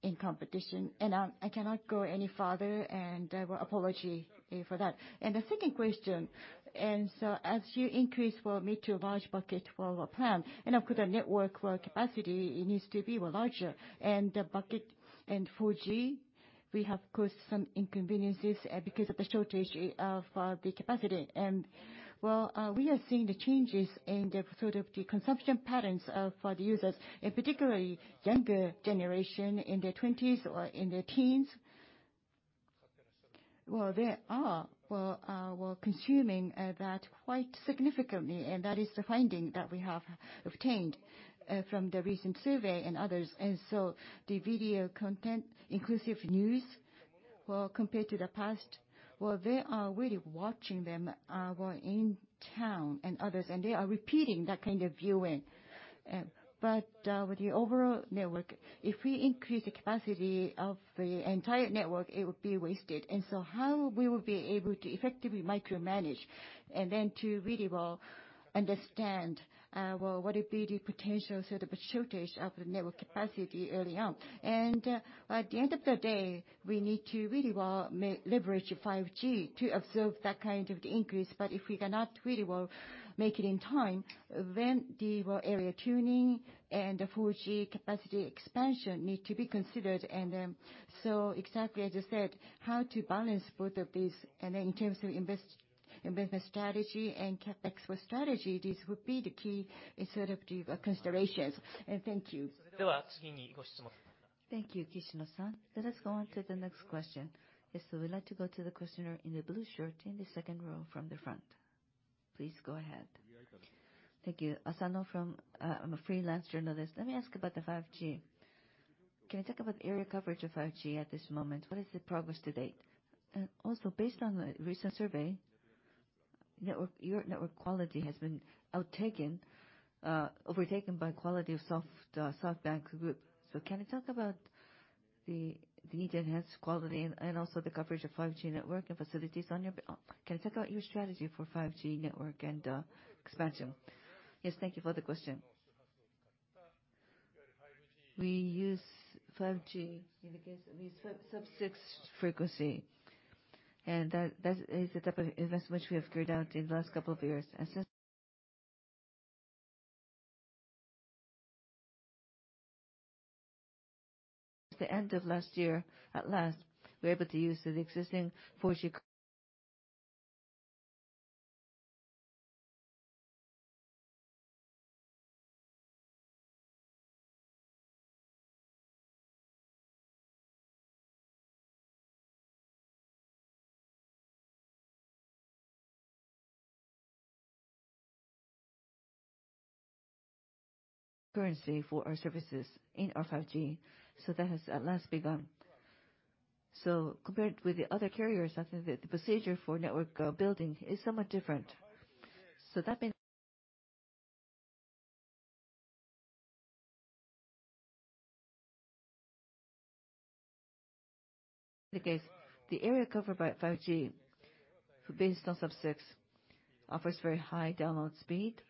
in competition. I cannot go any farther and apology for that. The second question, as you increase for mid to large bucket for our plan, of course our network capacity needs to be larger. The bucket and 4G, we have caused some inconveniences because of the shortage of the capacity. We are seeing the changes in the sort of the consumption patterns for the users, particularly younger generation in their 20s or in their teens. They are consuming that quite significantly, and that is the finding that we have obtained from the recent survey and others. The video content inclusive news, compared to the past, they are really watching them in town and others, and they are repeating that kind of viewing. With the overall network, if we increase the capacity of the entire network, it would be wasted. How we will be able to effectively micromanage and then to really understand what would be the potential sort of a shortage of the network capacity early on. At the end of the day, we need to really, well, leverage 5G to absorb that kind of increase. If we cannot really, well, make it in time, then the, well, area tuning and the 4G capacity expansion need to be considered. Exactly as you said, how to balance both of these. Business strategy and CapEx for strategy, this would be the key instead of the considerations. Thank you. Thank you, Kishino-san. Let us go on to the next question. We'd like to go to the questioner in the blue shirt in the second row from the front. Please go ahead. Thank you. Asano from, I'm a freelance journalist. Let me ask about the 5G. Can you talk about the area coverage of 5G at this moment? What is the progress to date? Also based on the recent survey, network, your network quality has been overtaken by quality of SoftBank Group. Can you talk about the need to enhance quality and also the coverage of 5G network and facilities on your, can you talk about your strategy for 5G network and expansion? Yes, thank you for the question. We use 5G in the case, we use sub-6 frequency, and that is the type of investment which we have carried out in the last couple of years. Since the end of last year, at last, we're able to use the existing 4G frequency for our services in our 5G. That has at last begun. Compared with the other carriers, I think that the procedure for network building is somewhat different. That means. In the case, the area covered by 5G based on sub-6 offers very high download speed,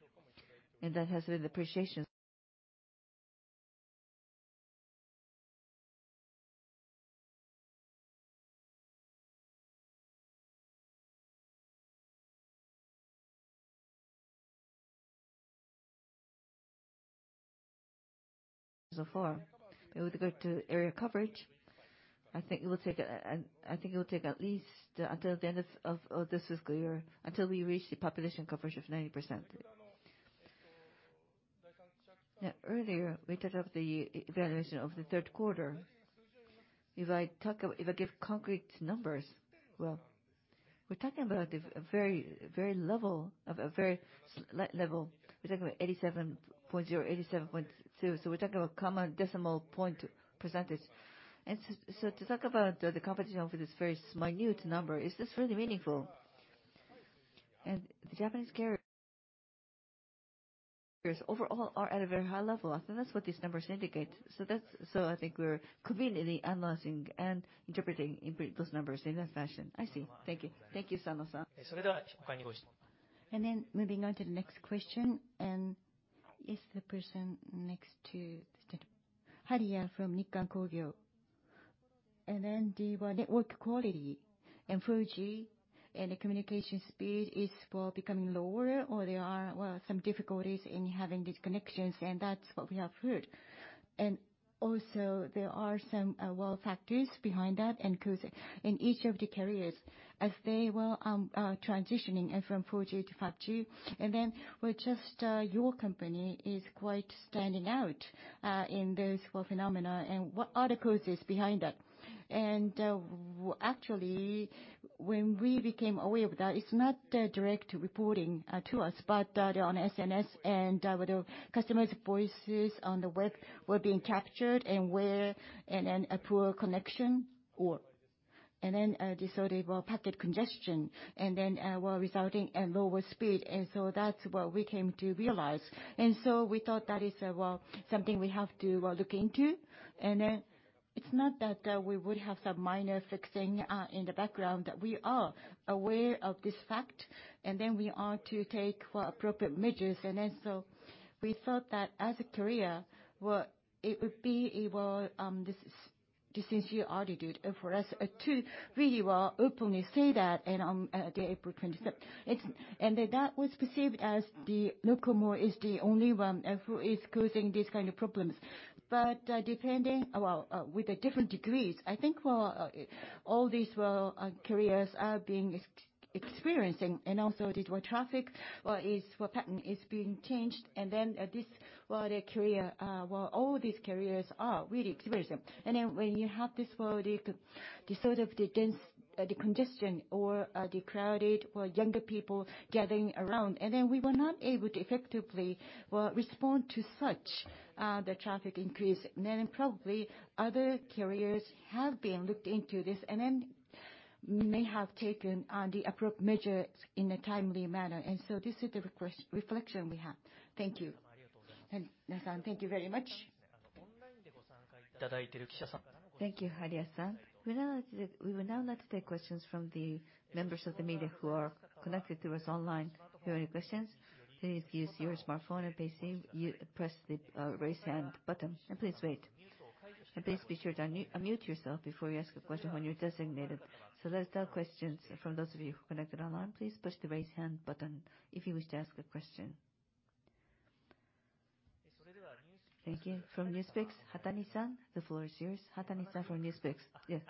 and that has been appreciation so far. With regard to area coverage, I think it will take at least until the end of this fiscal year until we reach the population coverage of 90%. Yeah, earlier, we talked about the e-evaluation of the third quarter. If I give concrete numbers, well, we're talking about a very, very level, of a very level, we're talking about 87.0, 87.2. We're talking about comma decimal point percentage. To talk about the competition for this very minute number, is this really meaningful? The Japanese carriers overall are at a very high level. I think that's what these numbers indicate. So I think we're conveniently analyzing and interpreting those numbers in that fashion. I see. Thank you. Thank you, Asano-san. Moving on to the next question, it's the person next to the... Haria from Nikkan Kogyo. Then the network quality in 4G and the communication speed is, well, becoming lower or there are, well, some difficulties in having disconnections, and that's what we have heard. Also there are some, well, factors behind that and causes in each of the carriers as they, well, are transitioning from 4G to 5G. Then, well, just, your company is quite standing out in those, well, phenomena, and what are the causes behind that? Actually, when we became aware of that, it's not a direct reporting to us, but on SNS and with the customers' voices on the web were being captured and were, and then a poor connection or, and then, the sort of, well, packet congestion and then, well, resulting in lower speed. That's what we came to realize. We thought that is, well, something we have to look into. It's not that we would have some minor fixing in the background. We are aware of this fact, and then we are to take, well, appropriate measures. We thought that as a carrier, well, it would be a, well, this sincere attitude for us to really, well, openly say that and on April 26th. It's. That was perceived as the Docomo is the only one who is causing these kind of problems. Depending, well, with the different degrees, I think, well, all these, well, carriers are being experiencing and also the, well, traffic, well, is, well, pattern is being changed. This, well, the carrier, well, all these carriers are really experiencing. When you have this, well, the sort of the dense congestion or the crowded or younger people gathering around, and then we were not able to effectively, well, respond to such the traffic increase. Probably other carriers have been looked into this and then may have taken the measure in a timely manner. This is the request, reflection we have. Thank you. Thank you very much. Thank you, Haria-san. We will now like to take questions from the members of the media who are connected to us online. If you have any questions, please use your smartphone and please seem, you, press the raise hand button and please wait. Please be sure to unmute yourself before you ask a question when you're designated. Let's start questions from those of you who connected online. Please push the Raise Hand button if you wish to ask a question. Thank you. From NewsPicks, Hatani-san, the floor is yours. Hatani-san from NewsPicks. Yes.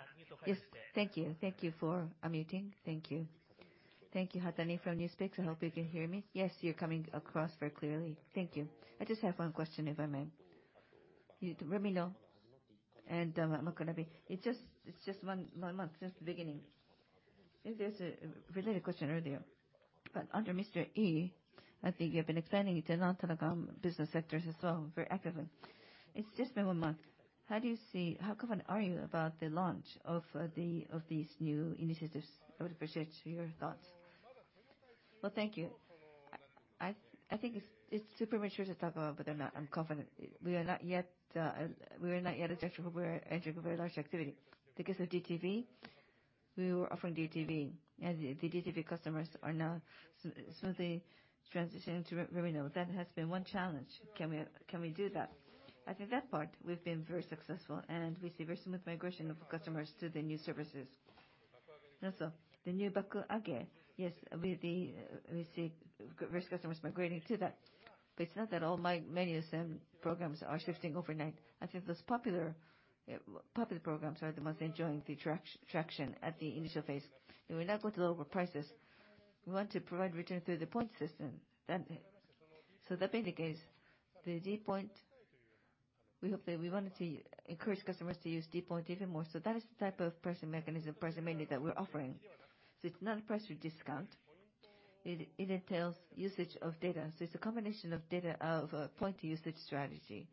Thank you. Thank you for unmuting. Thank you. Thank you, Hatani from NewsPicks. I hope you can hear me. Yes, you're coming across very clearly. Thank you. I just have one question, if I may. To Lemino and Makanabe. It's just 1 month since the beginning. I think there's a related question earlier. Under Mr. Ii, I think you have been expanding into non-telecom business sectors as well very actively. It's just been 1 month. How do you see, how confident are you about the launch of these new initiatives? I would appreciate your thoughts. Well, thank you. I think it's super mature to talk about whether or not I'm confident. We are not yet at a sector where we're entering a very large activity. Because of dTV, we were offering dTV, and the dTV customers are now smoothly transitioning to Lemino. That has been 1 challenge. Can we do that? I think that part we've been very successful, and we see very smooth migration of customers to the new services. Also, the new Bakuage, yes, we see g-rich customers migrating to that. It's not that all my many SM programs are shifting overnight. I think those popular programs are the most enjoying the traction at the initial phase. We're not going to lower prices. We want to provide return through the point system. That being the case, the d POINT, we hope that we wanted to encourage customers to use d POINT even more. That is the type of pricing mechanism, pricing menu that we're offering. It's not a price discount. It entails usage of data. It's a combination of data, of a point usage strategy.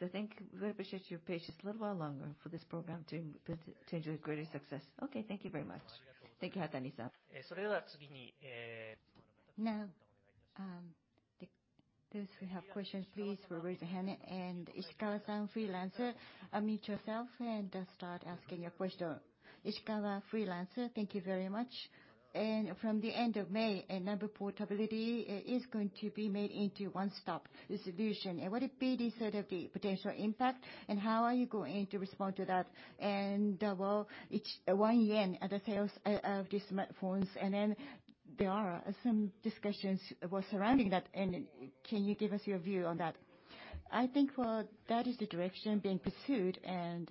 I think we appreciate your patience a little while longer for this program to enjoy greater success. Okay, thank you very much. Thank you, Hatani-san. Now, those who have questions, please raise your hand. Ishikawa-san, freelancer, unmute yourself and start asking your question. Ishikawa, freelancer. Thank you very much. From the end of May, a number portability is going to be made into one-stop solution. What would be the sort of the potential impact, and how are you going to respond to that? Well, it's 1 yen at the sales of these smartphones. There are some discussions surrounding that. Can you give us your view on that? I think, well, that is the direction being pursued, and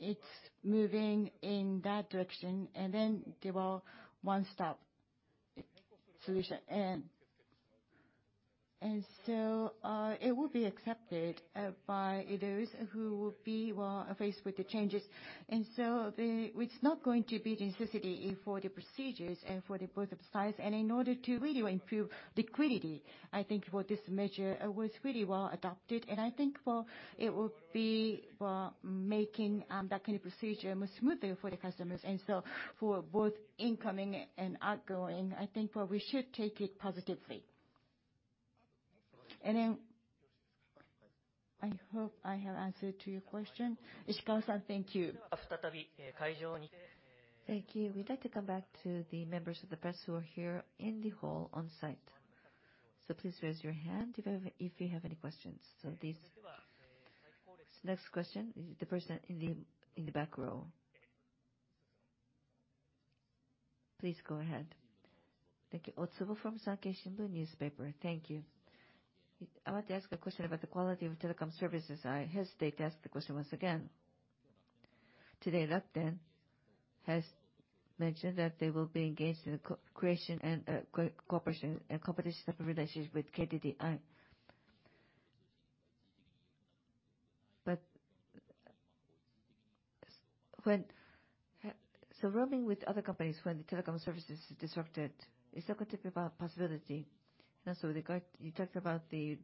it's moving in that direction. There were one-stop solution. It will be accepted by those who will be, well, faced with the changes. It's not going to be necessity for the procedures and for the both sides. In order to really improve liquidity, I think this measure was really well adopted. I think it will be making that kind of procedure more smoother for the customers. For both incoming and outgoing, I think we should take it positively. I hope I have answered to your question. Ishikawa-san, thank you. Thank you. We'd like to come back to the members of the press who are here in the hall on-site. Please raise your hand if you have any questions. This next question is the person in the back row. Please go ahead. Thank you. Otsubo from Sankei Shimbun Newspaper. Thank you. I want to ask a question about the quality of telecom services. I hesitate to ask the question once again. Today, Rakuten has mentioned that they will be engaged in co-creation and co-cooperation and competition type of relationship with KDDI. When roaming with other companies when the telecom services is disrupted, is that a typical possibility? Also with regard, you talked about the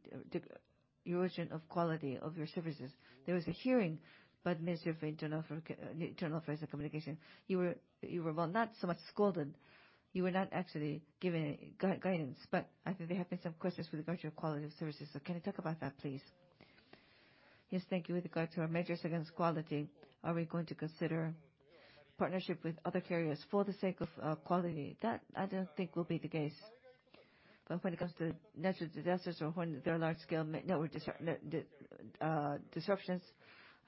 erosion of quality of your services. There was a hearing by the Ministry of Internal Affairs and Communication. You were, well, not so much scolded, you were not actually given guidance, I think there have been some questions with regard to your quality of services. Can you talk about that, please? Yes. Thank you. With regard to our measures against quality, are we going to consider partnership with other carriers for the sake of quality? That I don't think will be the case. When it comes to natural disasters or when there are large scale network disruptions,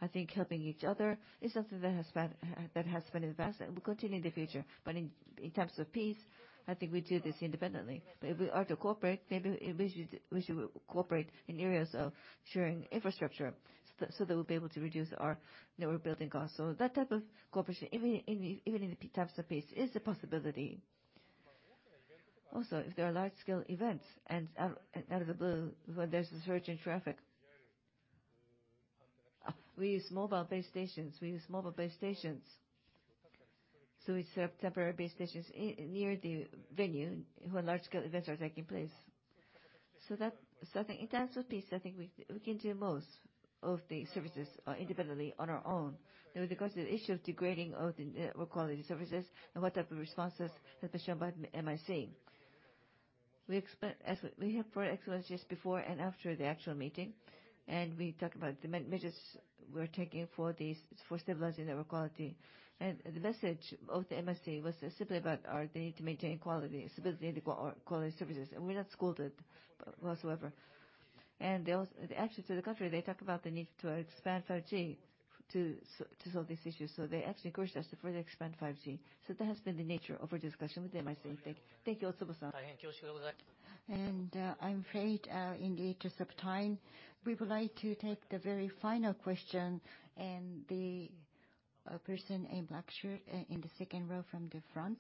I think helping each other is something that has been in the past and will continue in the future. In times of peace, I think we do this independently. If we are to cooperate, maybe we should cooperate in areas of sharing infrastructure so that we'll be able to reduce our network building costs. That type of cooperation, even in times of peace, is a possibility. If there are large scale events and out of the blue, when there's a surge in traffic, we use mobile base stations. We use mobile base stations. We set up temporary base stations near the venue when large scale events are taking place. I think in times of peace, I think we can do most of the services independently on our own. With regards to the issue of degrading of the network quality services and what type of responses have been shown by the MIC, as we have product excellence just before and after the actual meeting, and we talked about the measures we're taking for these, for stabilizing network quality. The message of the MIC was simply about the need to maintain quality, stability and quality services. We're not scolded whatsoever. They actually to the contrary, they talk about the need to expand 5G. To solve this issue. They actually encouraged us to further expand 5G. That has been the nature of our discussion with them, I think. Thank you, Otsubo-san. I'm afraid, in the interest of time, we would like to take the very final question, and the person in black shirt in the second row from the front.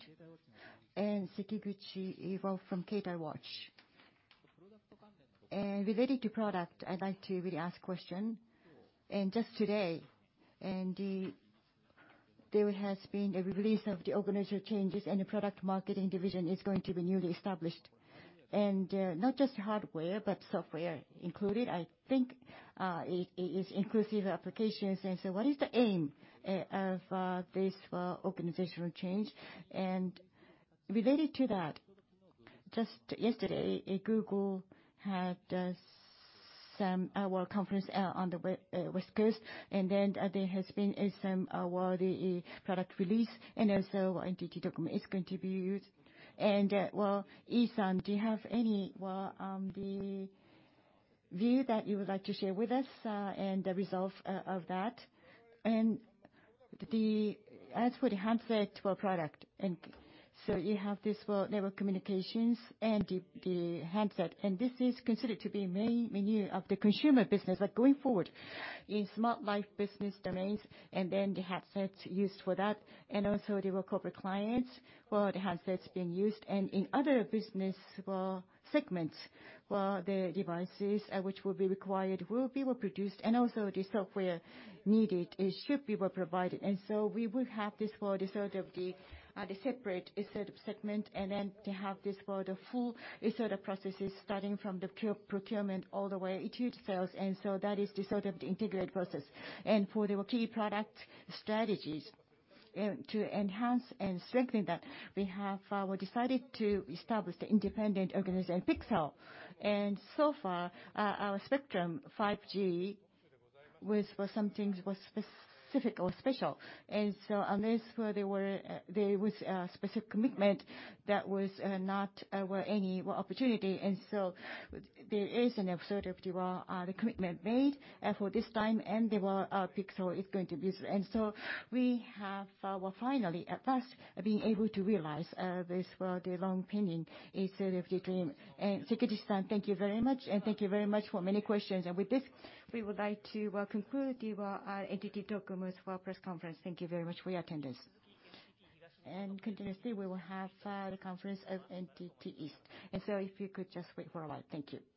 Sekiguchi Ivo from Keitai Watch. Related to product, I'd like to really ask question. Just today, there has been a release of the organizational changes, and the product marketing division is going to be newly established. Not just hardware, but software included, I think, it is inclusive applications. What is the aim of this organizational change? Related to that, just yesterday, Google had some conference on the West Coast, and then there has been some product release, and also NTT DOCOMO is going to be used. Ii-san, do you have any the view that you would like to share with us and the results of that? As for the handset product, you have this network communications and the handset, and this is considered to be main menu of the consumer business. Going forward in Smart Life business domains, then the headsets used for that, and also there were corporate clients, the headsets being used. In other business segments, the devices which will be required will be produced, and also the software needed, it should be provided. We will have this the sort of the separate set of segment, then to have this the full set of processes starting from the procurement all the way to sales. That is the sort of the integrated process. For the key product strategies, to enhance and strengthen that, we have decided to establish the independent organization, Pixel. So far, our Spectrum 5G was something specific or special. On this, there was a specific commitment that was not any opportunity. There is an sort of the commitment made for this time, and the Pixel is going to be. We have finally at first been able to realize this long pending sort of the dream. Sekiguchi-san, thank you very much, and thank you very much for many questions. With this, we would like to conclude the NTT DOCOMO's press conference. Thank you very much for your attendance. Continuously, we will have the conference of NTT East. If you could just wait for a while. Thank you.